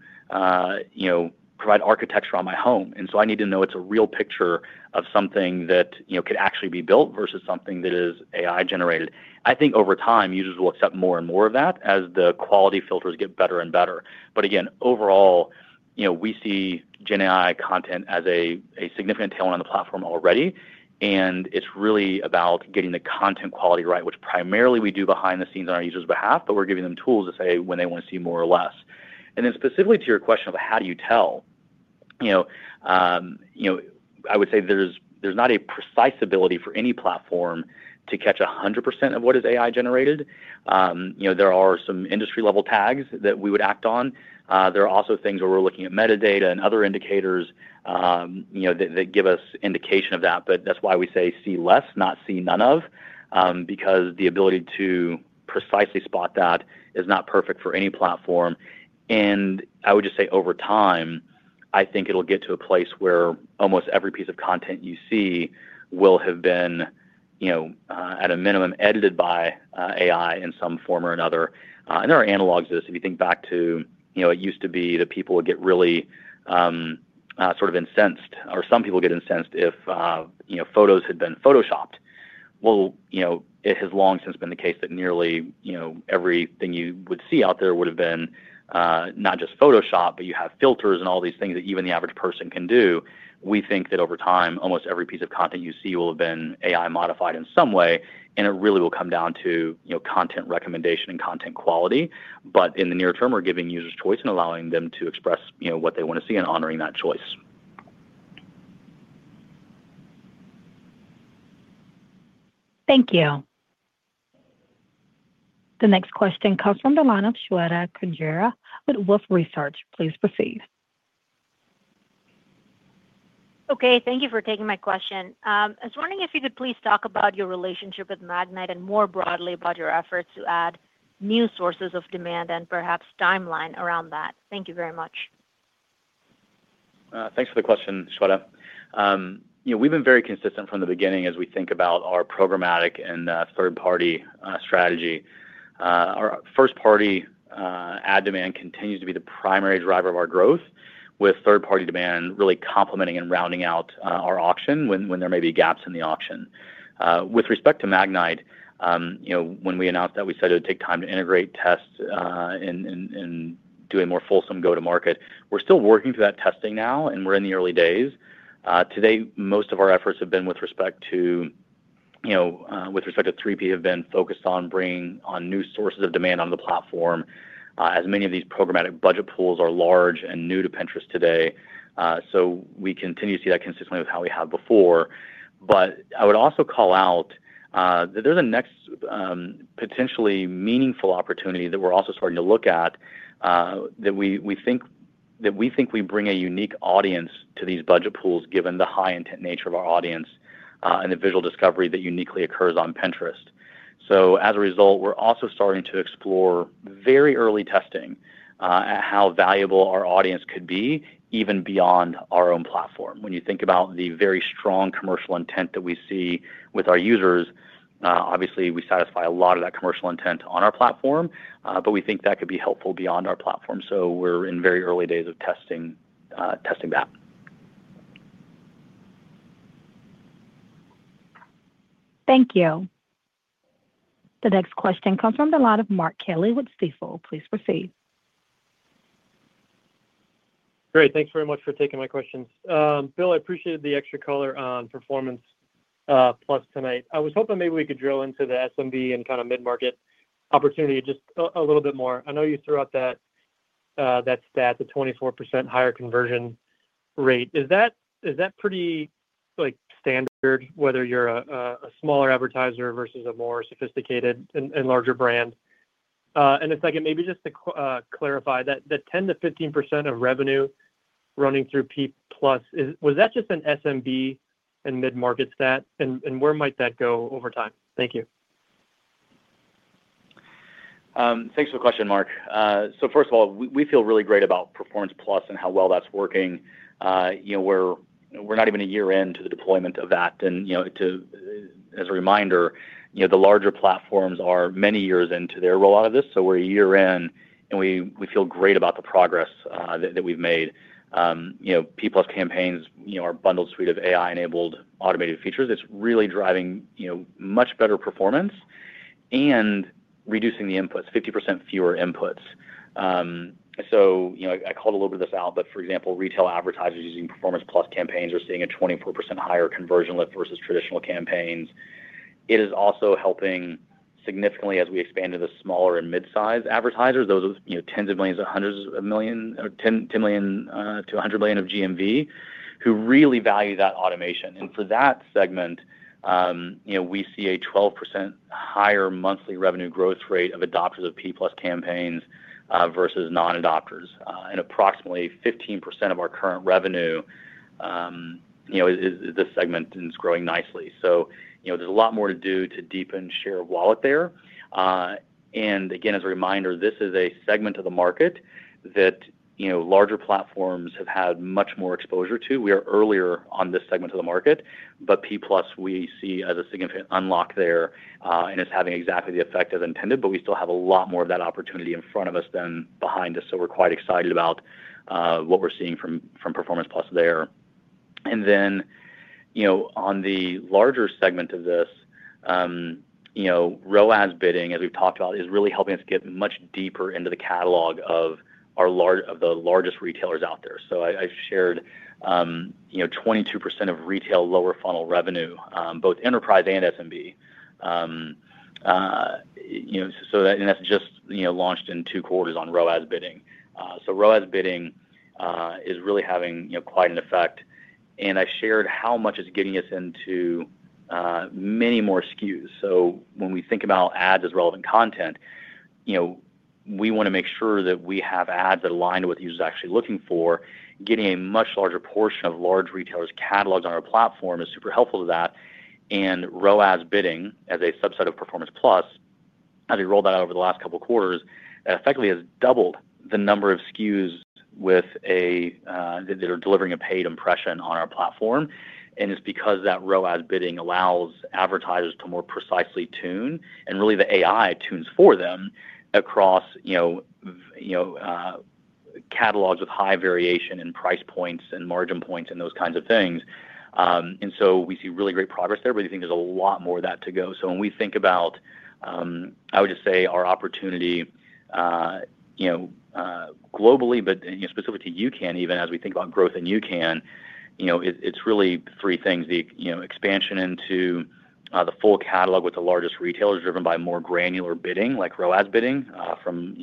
provide architecture on my home." And so I need to know it's a real picture of something that could actually be built versus something that is AI-generated. I think over time, users will accept more and more of that as the quality filters get better and better. But again, overall, we see GenAI content as a significant tailwind on the platform already. And it's really about getting the content quality right, which primarily we do behind the scenes on our users' behalf, but we're giving them tools to say when they want to see more or less. And then specifically to your question of how do you tell, I would say there's not a precise ability for any platform to catch 100% of what is AI-generated. There are some industry-level tags that we would act on. There are also things where we're looking at metadata and other indicators that give us indication of that. But that's why we say see less, not see none of, because the ability to precisely spot that is not perfect for any platform. And I would just say over time, I think it'll get to a place where almost every piece of content you see will have been at a minimum edited by AI in some form or another. And there are analogs to this. If you think back to it used to be that people would get really sort of incensed, or some people get incensed if photos had been Photoshopped. Well, it has long since been the case that nearly everything you would see out there would have been not just Photoshopped, but you have filters and all these things that even the average person can do. We think that over time, almost every piece of content you see will have been AI-modified in some way. And it really will come down to content recommendation and content quality. But in the near term, we're giving users choice and allowing them to express what they want to see and honoring that choice. Thank you. The next question comes from the line of Shweta Kundera with Wolfe Research. Please proceed. Okay. Thank you for taking my question. I was wondering if you could please talk about your relationship with Magnite and more broadly about your efforts to add new sources of demand and perhaps timeline around that. Thank you very much. Thanks for the question, Shweta. We've been very consistent from the beginning as we think about our programmatic and third-party strategy. Our first-party ad demand continues to be the primary driver of our growth, with third-party demand really complementing and rounding out our auction when there may be gaps in the auction. With respect to Magnite. When we announced that we said it would take time to integrate, test, and do a more fulsome go-to-market. We're still working through that testing now, and we're in the early days. Today, most of our efforts with respect to 3P have been focused on bringing new sources of demand on the platform. As many of these programmatic budget pools are large and new to Pinterest today. So we continue to see that consistently with how we have before. But I would also call out that there's a next potentially meaningful opportunity that we're also starting to look at. That we think we bring a unique audience to these budget pools, given the high-intent nature of our audience and the visual discovery that uniquely occurs on Pinterest. So as a result, we're also starting to explore very early testing at how valuable our audience could be even beyond our own platform. When you think about the very strong commercial intent that we see with our users, obviously, we satisfy a lot of that commercial intent on our platform, but we think that could be helpful beyond our platform. So we're in very early days of testing that. Thank you. The next question comes from the line of Mark Kelley with Stifel. Please proceed. Great. Thanks very much for taking my questions. Bill, I appreciated the extra color on Performance+ tonight. I was hoping maybe we could drill into the SMB and kind of mid-market opportunity just a little bit more. I know you threw out that stat, the 24% higher conversion rate. Is that pretty standard whether you're a smaller advertiser versus a more sophisticated and larger brand? And a second, maybe just to clarify, that 10%-15% of revenue running through P+, was that just an SMB and mid-market stat? And where might that go over time? Thank you. Thanks for the question, Mark. So first of all, we feel really great about Performance+ and how well that's working. We're not even a year into the deployment of that. And as a reminder, the larger platforms are many years into their rollout of this. So we're a year in, and we feel great about the progress that we've made. P+ campaigns are a bundled suite of AI-enabled automated features that's really driving much better performance and reducing the inputs, 50% fewer inputs. So I called a little bit of this out, but for example, retail advertisers using Performance+ campaigns are seeing a 24% higher conversion lift versus traditional campaigns. It is also helping significantly as we expand to the smaller and mid-size advertisers, those tens of millions, hundreds of millions, or 10 million to 100 million of GMV, who really value that automation. And for that segment, we see a 12% higher monthly revenue growth rate of adopters of P+ campaigns versus non-adopters. And approximately 15% of our current revenue is this segment is growing nicely. So there's a lot more to do to deepen share of wallet there. And again, as a reminder, this is a segment of the market that larger platforms have had much more exposure to. We are earlier on this segment of the market, but P+ we see as a significant unlock there and is having exactly the effect as intended, but we still have a lot more of that opportunity in front of us than behind us. So we're quite excited about what we're seeing from Performance+ there. And then on the larger segment of this, ROAS bidding, as we've talked about, is really helping us get much deeper into the catalog of the largest retailers out there. So I shared 22% of retail lower funnel revenue, both enterprise and SMB. And that's just launched in two quarters on ROAS bidding. So ROAS bidding is really having quite an effect. And I shared how much it's getting us into many more SKUs. So when we think about ads as relevant content, we want to make sure that we have ads that align with what the user is actually looking for. Getting a much larger portion of large retailers' catalogs on our platform is super helpful to that. And ROAS bidding, as a subset of Performance+, as we rolled out over the last couple of quarters, effectively has doubled the number of SKUs with that are delivering a paid impression on our platform. And it's because that ROAS bidding allows advertisers to more precisely tune, and really the AI tunes for them across catalogs with high variation in price points and margin points and those kinds of things. And so we see really great progress there, but I think there's a lot more of that to go. So when we think about, I would just say our opportunity globally, but specifically to UCAN, even as we think about growth in UCAN, it's really three things. The expansion into the full catalog with the largest retailers driven by more granular bidding like ROAS bidding from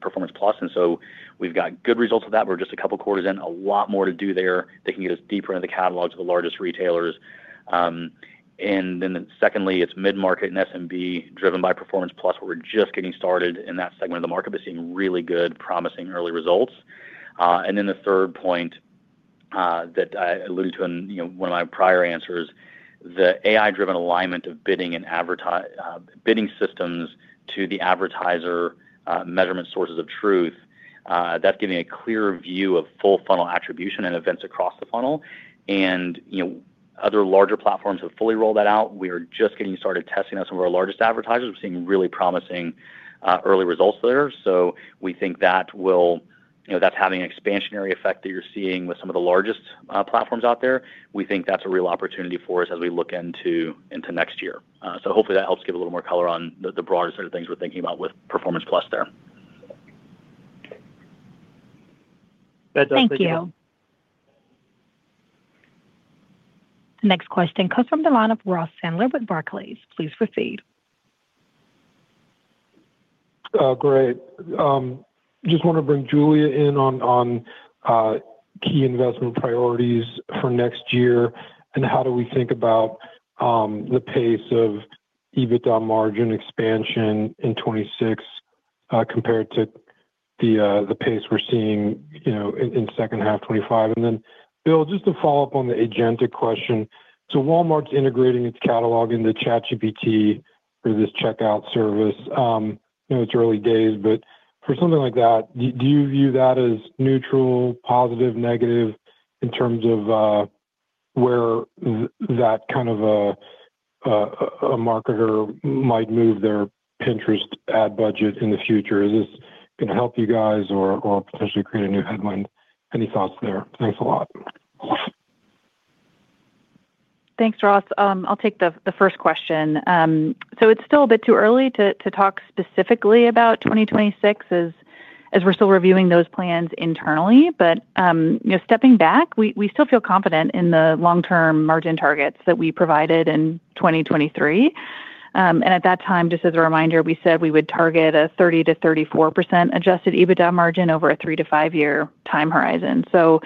Performance+. And so we've got good results of that. We're just a couple of quarters in. A lot more to do there. They can get us deeper into the catalogs of the largest retailers. And then secondly, it's mid-market and SMB driven by Performance+. We're just getting started in that segment of the market, but seeing really good, promising early results. And then the third point that I alluded to in one of my prior answers, the AI-driven alignment of bidding. Systems to the advertiser measurement sources of truth. That's giving a clear view of full funnel attribution and events across the funnel. And other larger platforms have fully rolled that out. We are just getting started testing on some of our largest advertisers. We're seeing really promising early results there. So we think that will that's having an expansionary effect that you're seeing with some of the largest platforms out there. We think that's a real opportunity for us as we look into next year. So hopefully, that helps give a little more color on the broader set of things we're thinking about with Performance+ there. That does make sense. Thank you. The next question comes from the line of Ross Sandler with Barclays. Please proceed. Great. Just want to bring Julia in on key investment priorities for next year and how do we think about the pace of EBITDA margin expansion in 2026 compared to the pace we're seeing in second half 2025. And then, Bill, just to follow up on the agentic question, so Walmart's integrating its catalog into ChatGPT for this checkout service. It's early days, but for something like that, do you view that as neutral, positive, negative in terms of where that kind of a marketer might move their Pinterest ad budget in the future? Is this going to help you guys or potentially create a new headline? Any thoughts there? Thanks a lot. Thanks, Ross. I'll take the first question. So it's still a bit too early to talk specifically about 2026 as we're still reviewing those plans internally. But stepping back, we still feel confident in the long-term margin targets that we provided in 2023. And at that time, just as a reminder, we said we would target a 30%-34% Adjusted EBITDA margin over a three to five-year time horizon. So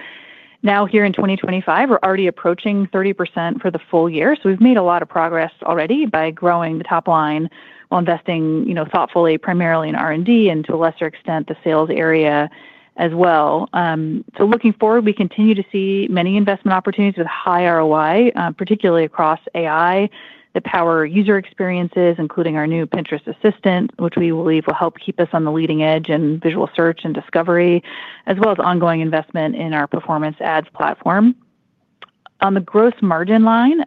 now here in 2025, we're already approaching 30% for the full year. So we've made a lot of progress already by growing the top line while investing thoughtfully, primarily in R&D, and to a lesser extent, the sales area as well. So looking forward, we continue to see many investment opportunities with high ROI, particularly across AI that power user experiences, including our new Pinterest Assistant, which we believe will help keep us on the leading edge in visual search and discovery, as well as ongoing investment in our Performance ads platform. On the gross margin line.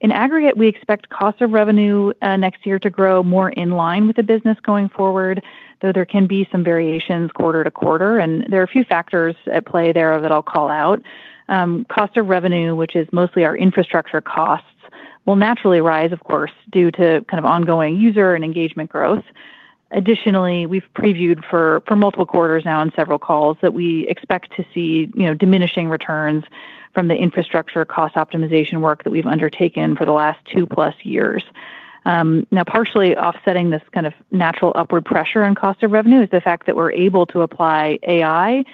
In aggregate, we expect costs of revenue next year to grow more in line with the business going forward, though there can be some variations quarter to quarter. And there are a few factors at play there that I'll call out. Cost of revenue, which is mostly our infrastructure costs, will naturally rise, of course, due to kind of ongoing user and engagement growth. Additionally, we've previewed for multiple quarters now in several calls that we expect to see diminishing returns from the infrastructure cost optimization work that we've undertaken for the last two-plus years. Now, partially offsetting this kind of natural upward pressure on cost of revenue is the fact that we're able to apply AI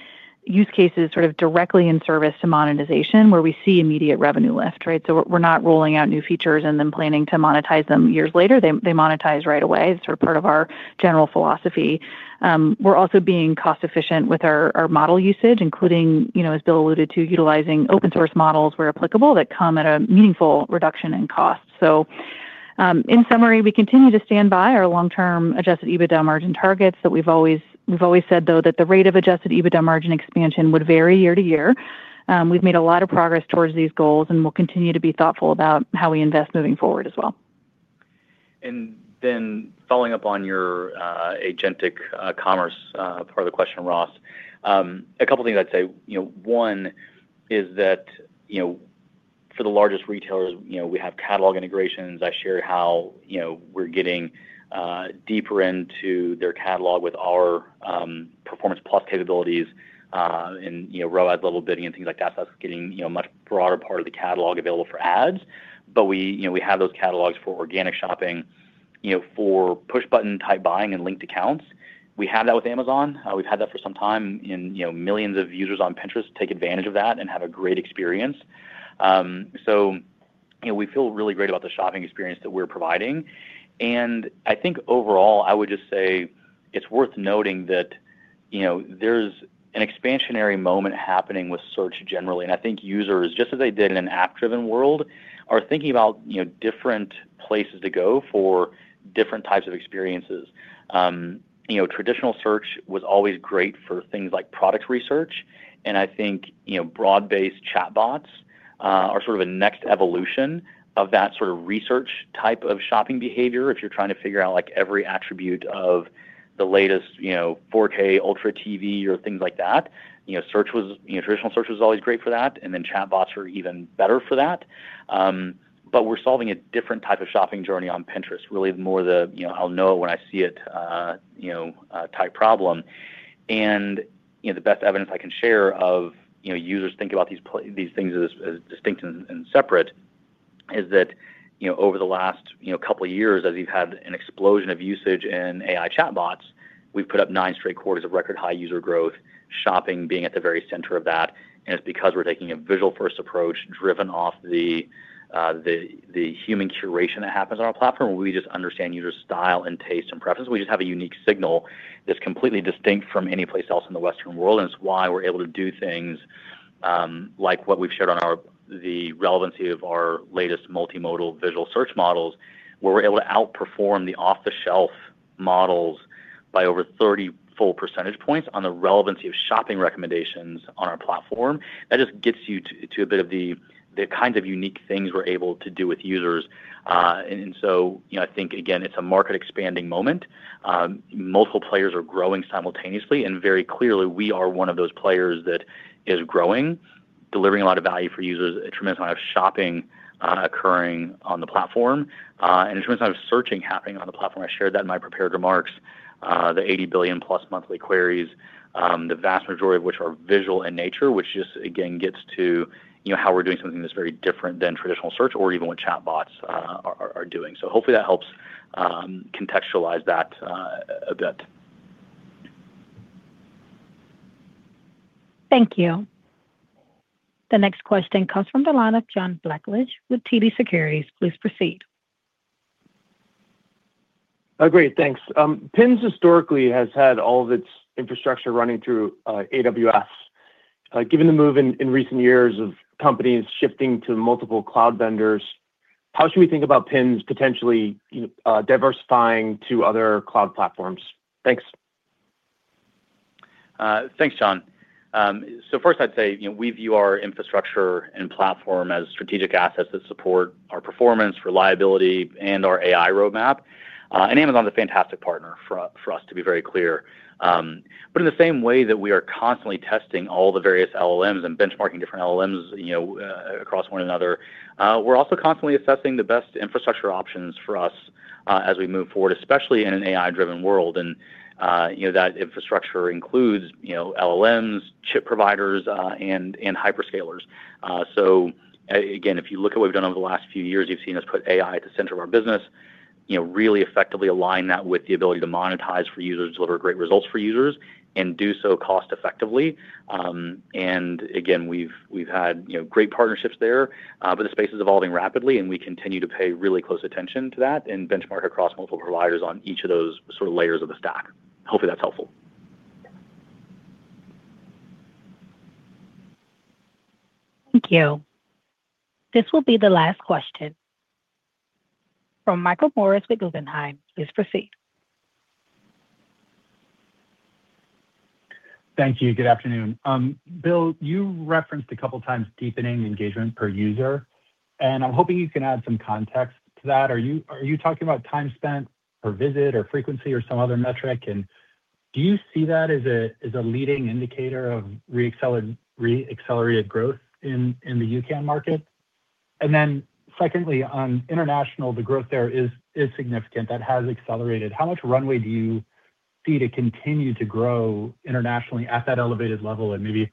use cases sort of directly in service to monetization, where we see immediate revenue lift, right? So we're not rolling out new features and then planning to monetize them years later. They monetize right away. It's sort of part of our general philosophy. We're also being cost-efficient with our model usage, including, as Bill alluded to, utilizing open-source models where applicable that come at a meaningful reduction in cost. So. In summary, we continue to stand by our long-term Adjusted EBITDA margin targets. We've always said, though, that the rate of Adjusted EBITDA margin expansion would vary year to year. We've made a lot of progress towards these goals, and we'll continue to be thoughtful about how we invest moving forward as well. And then following up on your agentic commerce part of the question, Ross, a couple of things I'd say. One is that. For the largest retailers, we have catalog integrations. I shared how we're getting deeper into their catalog with our Performance+ capabilities. And ROAS-level bidding and things like that. So that's getting a much broader part of the catalog available for ads. But we have those catalogs for organic shopping. For push-button type buying and linked accounts. We have that with Amazon. We've had that for some time, and millions of users on Pinterest take advantage of that and have a great experience. So. We feel really great about the shopping experience that we're providing. And I think overall, I would just say it's worth noting that. There's an expansionary moment happening with search generally. And I think users, just as they did in an app-driven world, are thinking about different places to go for different types of experiences. Traditional search was always great for things like product research. And I think broad-based chatbots are sort of a next evolution of that sort of research type of shopping behavior. If you're trying to figure out every attribute of the latest 4K ultra TV or things like that. Traditional search was always great for that. And then chatbots are even better for that. But we're solving a different type of shopping journey on Pinterest, really more the, "I'll know it when I see it." Type problem. And the best evidence I can share of users thinking about these things as distinct and separate is that over the last couple of years, as we've had an explosion of usage in AI chatbots, we've put up nine straight quarters of record-high user growth, shopping being at the very center of that. And it's because we're taking a visual-first approach driven off the human curation that happens on our platform. We just understand users' style and tastes and preferences. We just have a unique signal that's completely distinct from anyplace else in the Western world. And it's why we're able to do things like what we've shared on the relevancy of our latest multimodal visual search models, where we're able to outperform the off-the-shelf models by over 30 percentage points on the relevancy of shopping recommendations on our platform. That just gets you to a bit of the kinds of unique things we're able to do with users. And so I think, again, it's a market-expanding moment. Multiple players are growing simultaneously. And very clearly, we are one of those players that is growing, delivering a lot of value for users, a tremendous amount of shopping occurring on the platform, and a tremendous amount of searching happening on the platform. I shared that in my prepared remarks, the 80 billion+ monthly queries, the vast majority of which are visual in nature, which just, again, gets to how we're doing something that's very different than traditional search or even what chatbots are doing. So hopefully, that helps contextualize that a bit. Thank you. The next question comes from the line of John Blackledge with TD Securities. Please proceed. Great. Thanks. Pinterest, historically, has had all of its infrastructure running through AWS. Given the move in recent years of companies shifting to multiple cloud vendors, how should we think about Pinterest potentially diversifying to other cloud platforms? Thanks. Thanks, John. So first, I'd say we view our infrastructure and platform as strategic assets that support our performance, reliability, and our AI roadmap. And Amazon's a fantastic partner for us, to be very clear. But in the same way that we are constantly testing all the various LLMs and benchmarking different LLMs across one another, we're also constantly assessing the best infrastructure options for us as we move forward, especially in an AI-driven world. And that infrastructure includes LLMs, chip providers, and hyperscalers. So again, if you look at what we've done over the last few years, you've seen us put AI at the center of our business, really effectively align that with the ability to monetize for users, deliver great results for users, and do so cost-effectively. And again, we've had great partnerships there. But the space is evolving rapidly, and we continue to pay really close attention to that and benchmark across multiple providers on each of those sort of layers of the stack. Hopefully, that's helpful. Thank you. This will be the last question from Michael Morris with Guggenheim. Please proceed. Thank you. Good afternoon. Bill, you referenced a couple of times deepening engagement per user. And I'm hoping you can add some context to that. Are you talking about time spent per visit or frequency or some other metric? And do you see that as a leading indicator of reaccelerated growth in the UCAN market? And then secondly, on international, the growth there is significant. That has accelerated. How much runway do you see to continue to grow internationally at that elevated level? And maybe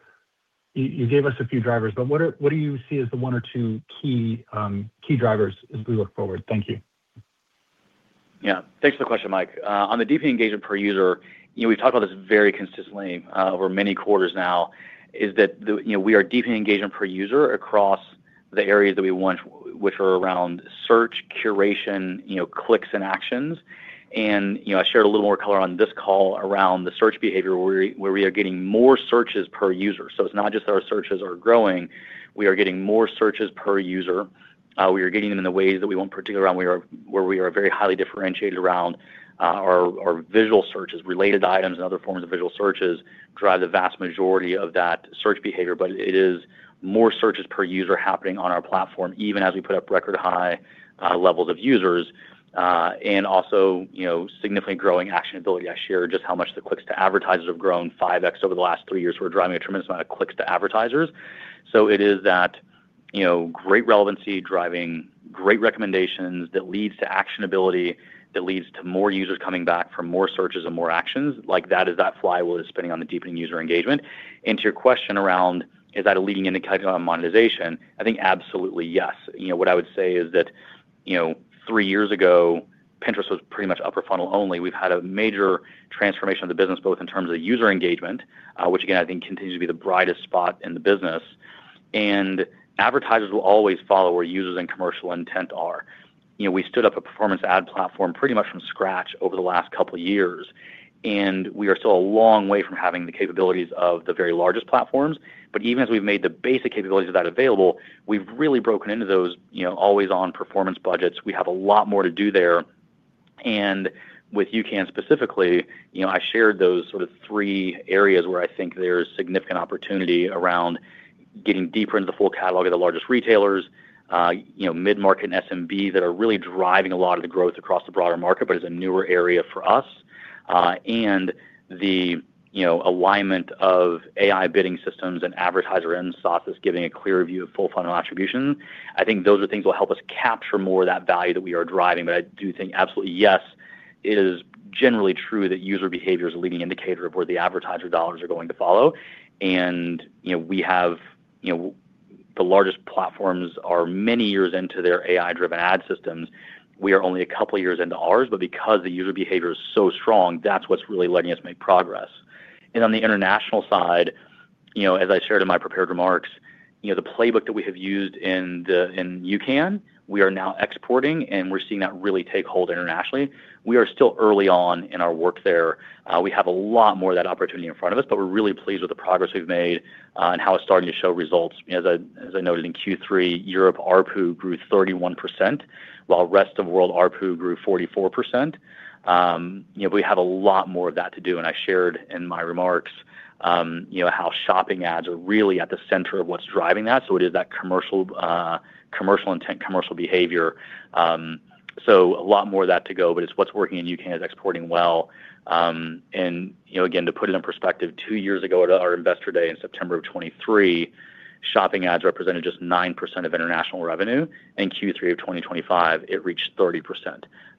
you gave us a few drivers, but what do you see as the one or two key drivers as we look forward? Thank you. Yeah. Thanks for the question, Mike. On the deepening engagement per user, we've talked about this very consistently over many quarters now, is that we are deepening engagement per user across the areas that we want, which are around search, curation, clicks, and actions. And I shared a little more color on this call around the search behavior, where we are getting more searches per user. So it's not just that our searches are growing. We are getting more searches per user. We are getting them in the ways that we want particularly around where we are very highly differentiated around. Our visual searches. Related items and other forms of visual searches drive the vast majority of that search behavior. But it is more searches per user happening on our platform, even as we put up record-high levels of users. And also. Significantly growing actionability. I shared just how much the clicks to advertisers have grown 5x over the last three years. We're driving a tremendous amount of clicks to advertisers. So it is that. Great relevancy driving great recommendations that leads to actionability, that leads to more users coming back for more searches and more actions. That is that flywheel that's spinning on the deepening user engagement. And to your question around, is that a leading indicator on monetization, I think absolutely yes. What I would say is that. Three years ago, Pinterest was pretty much upper funnel only. We've had a major transformation of the business, both in terms of user engagement, which, again, I think continues to be the brightest spot in the business. And advertisers will always follow where users and commercial intent are. We stood up a performance ad platform pretty much from scratch over the last couple of years. And we are still a long way from having the capabilities of the very largest platforms. But even as we've made the basic capabilities of that available, we've really broken into those always-on performance budgets. We have a lot more to do there. And with UCAN specifically, I shared those sort of three areas where I think there's significant opportunity around getting deeper into the full catalog of the largest retailers, mid-market and SMBs that are really driving a lot of the growth across the broader market, but it's a newer area for us. And the. Alignment of AI bidding systems and advertiser and SaaS is giving a clear view of full-funnel attribution. I think those are things that will help us capture more of that value that we are driving. But I do think absolutely yes, it is generally true that user behavior is a leading indicator of where the advertiser dollars are going to follow. And we have. The largest platforms are many years into their AI-driven ad systems. We are only a couple of years into ours, but because the user behavior is so strong, that's what's really letting us make progress, and on the international side, as I shared in my prepared remarks, the playbook that we have used in UCAN, we are now exporting, and we're seeing that really take hold internationally. We are still early on in our work there. We have a lot more of that opportunity in front of us, but we're really pleased with the progress we've made and how it's starting to show results. As I noted in Q3, Europe ARPU grew 31%, while rest of world ARPU grew 44%. We have a lot more of that to do, and I shared in my remarks how shopping ads are really at the center of what's driving that. So it is that commercial intent, commercial behavior. So a lot more of that to go, but it's what's working in UCAN is exporting well, and again, to put it in perspective, two years ago at our investor day in September of 2023, shopping ads represented just 9% of international revenue. In Q3 of 2025, it reached 30%.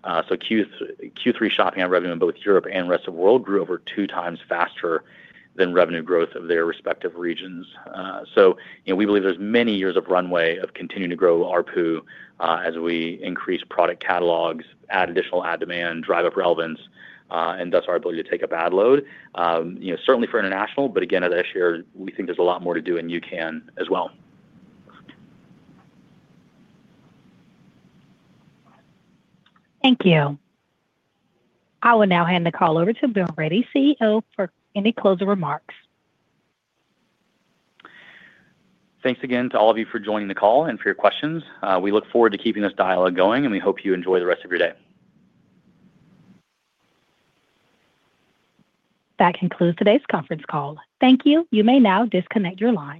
So Q3 shopping ad revenue in both Europe and rest of the world grew over two times faster than revenue growth of their respective regions. So we believe there's many years of runway of continuing to grow ARPU as we increase product catalogs, add additional ad demand, drive up relevance, and thus our ability to take up ad load, certainly for international, but again, as I shared, we think there's a lot more to do in UCAN as well. Thank you. I will now hand the call over to Bill Ready, CEO, for any closing remarks. Thanks again to all of you for joining the call and for your questions. We look forward to keeping this dialogue going, and we hope you enjoy the rest of your day. That concludes today's conference call. Thank you. You may now disconnect your line.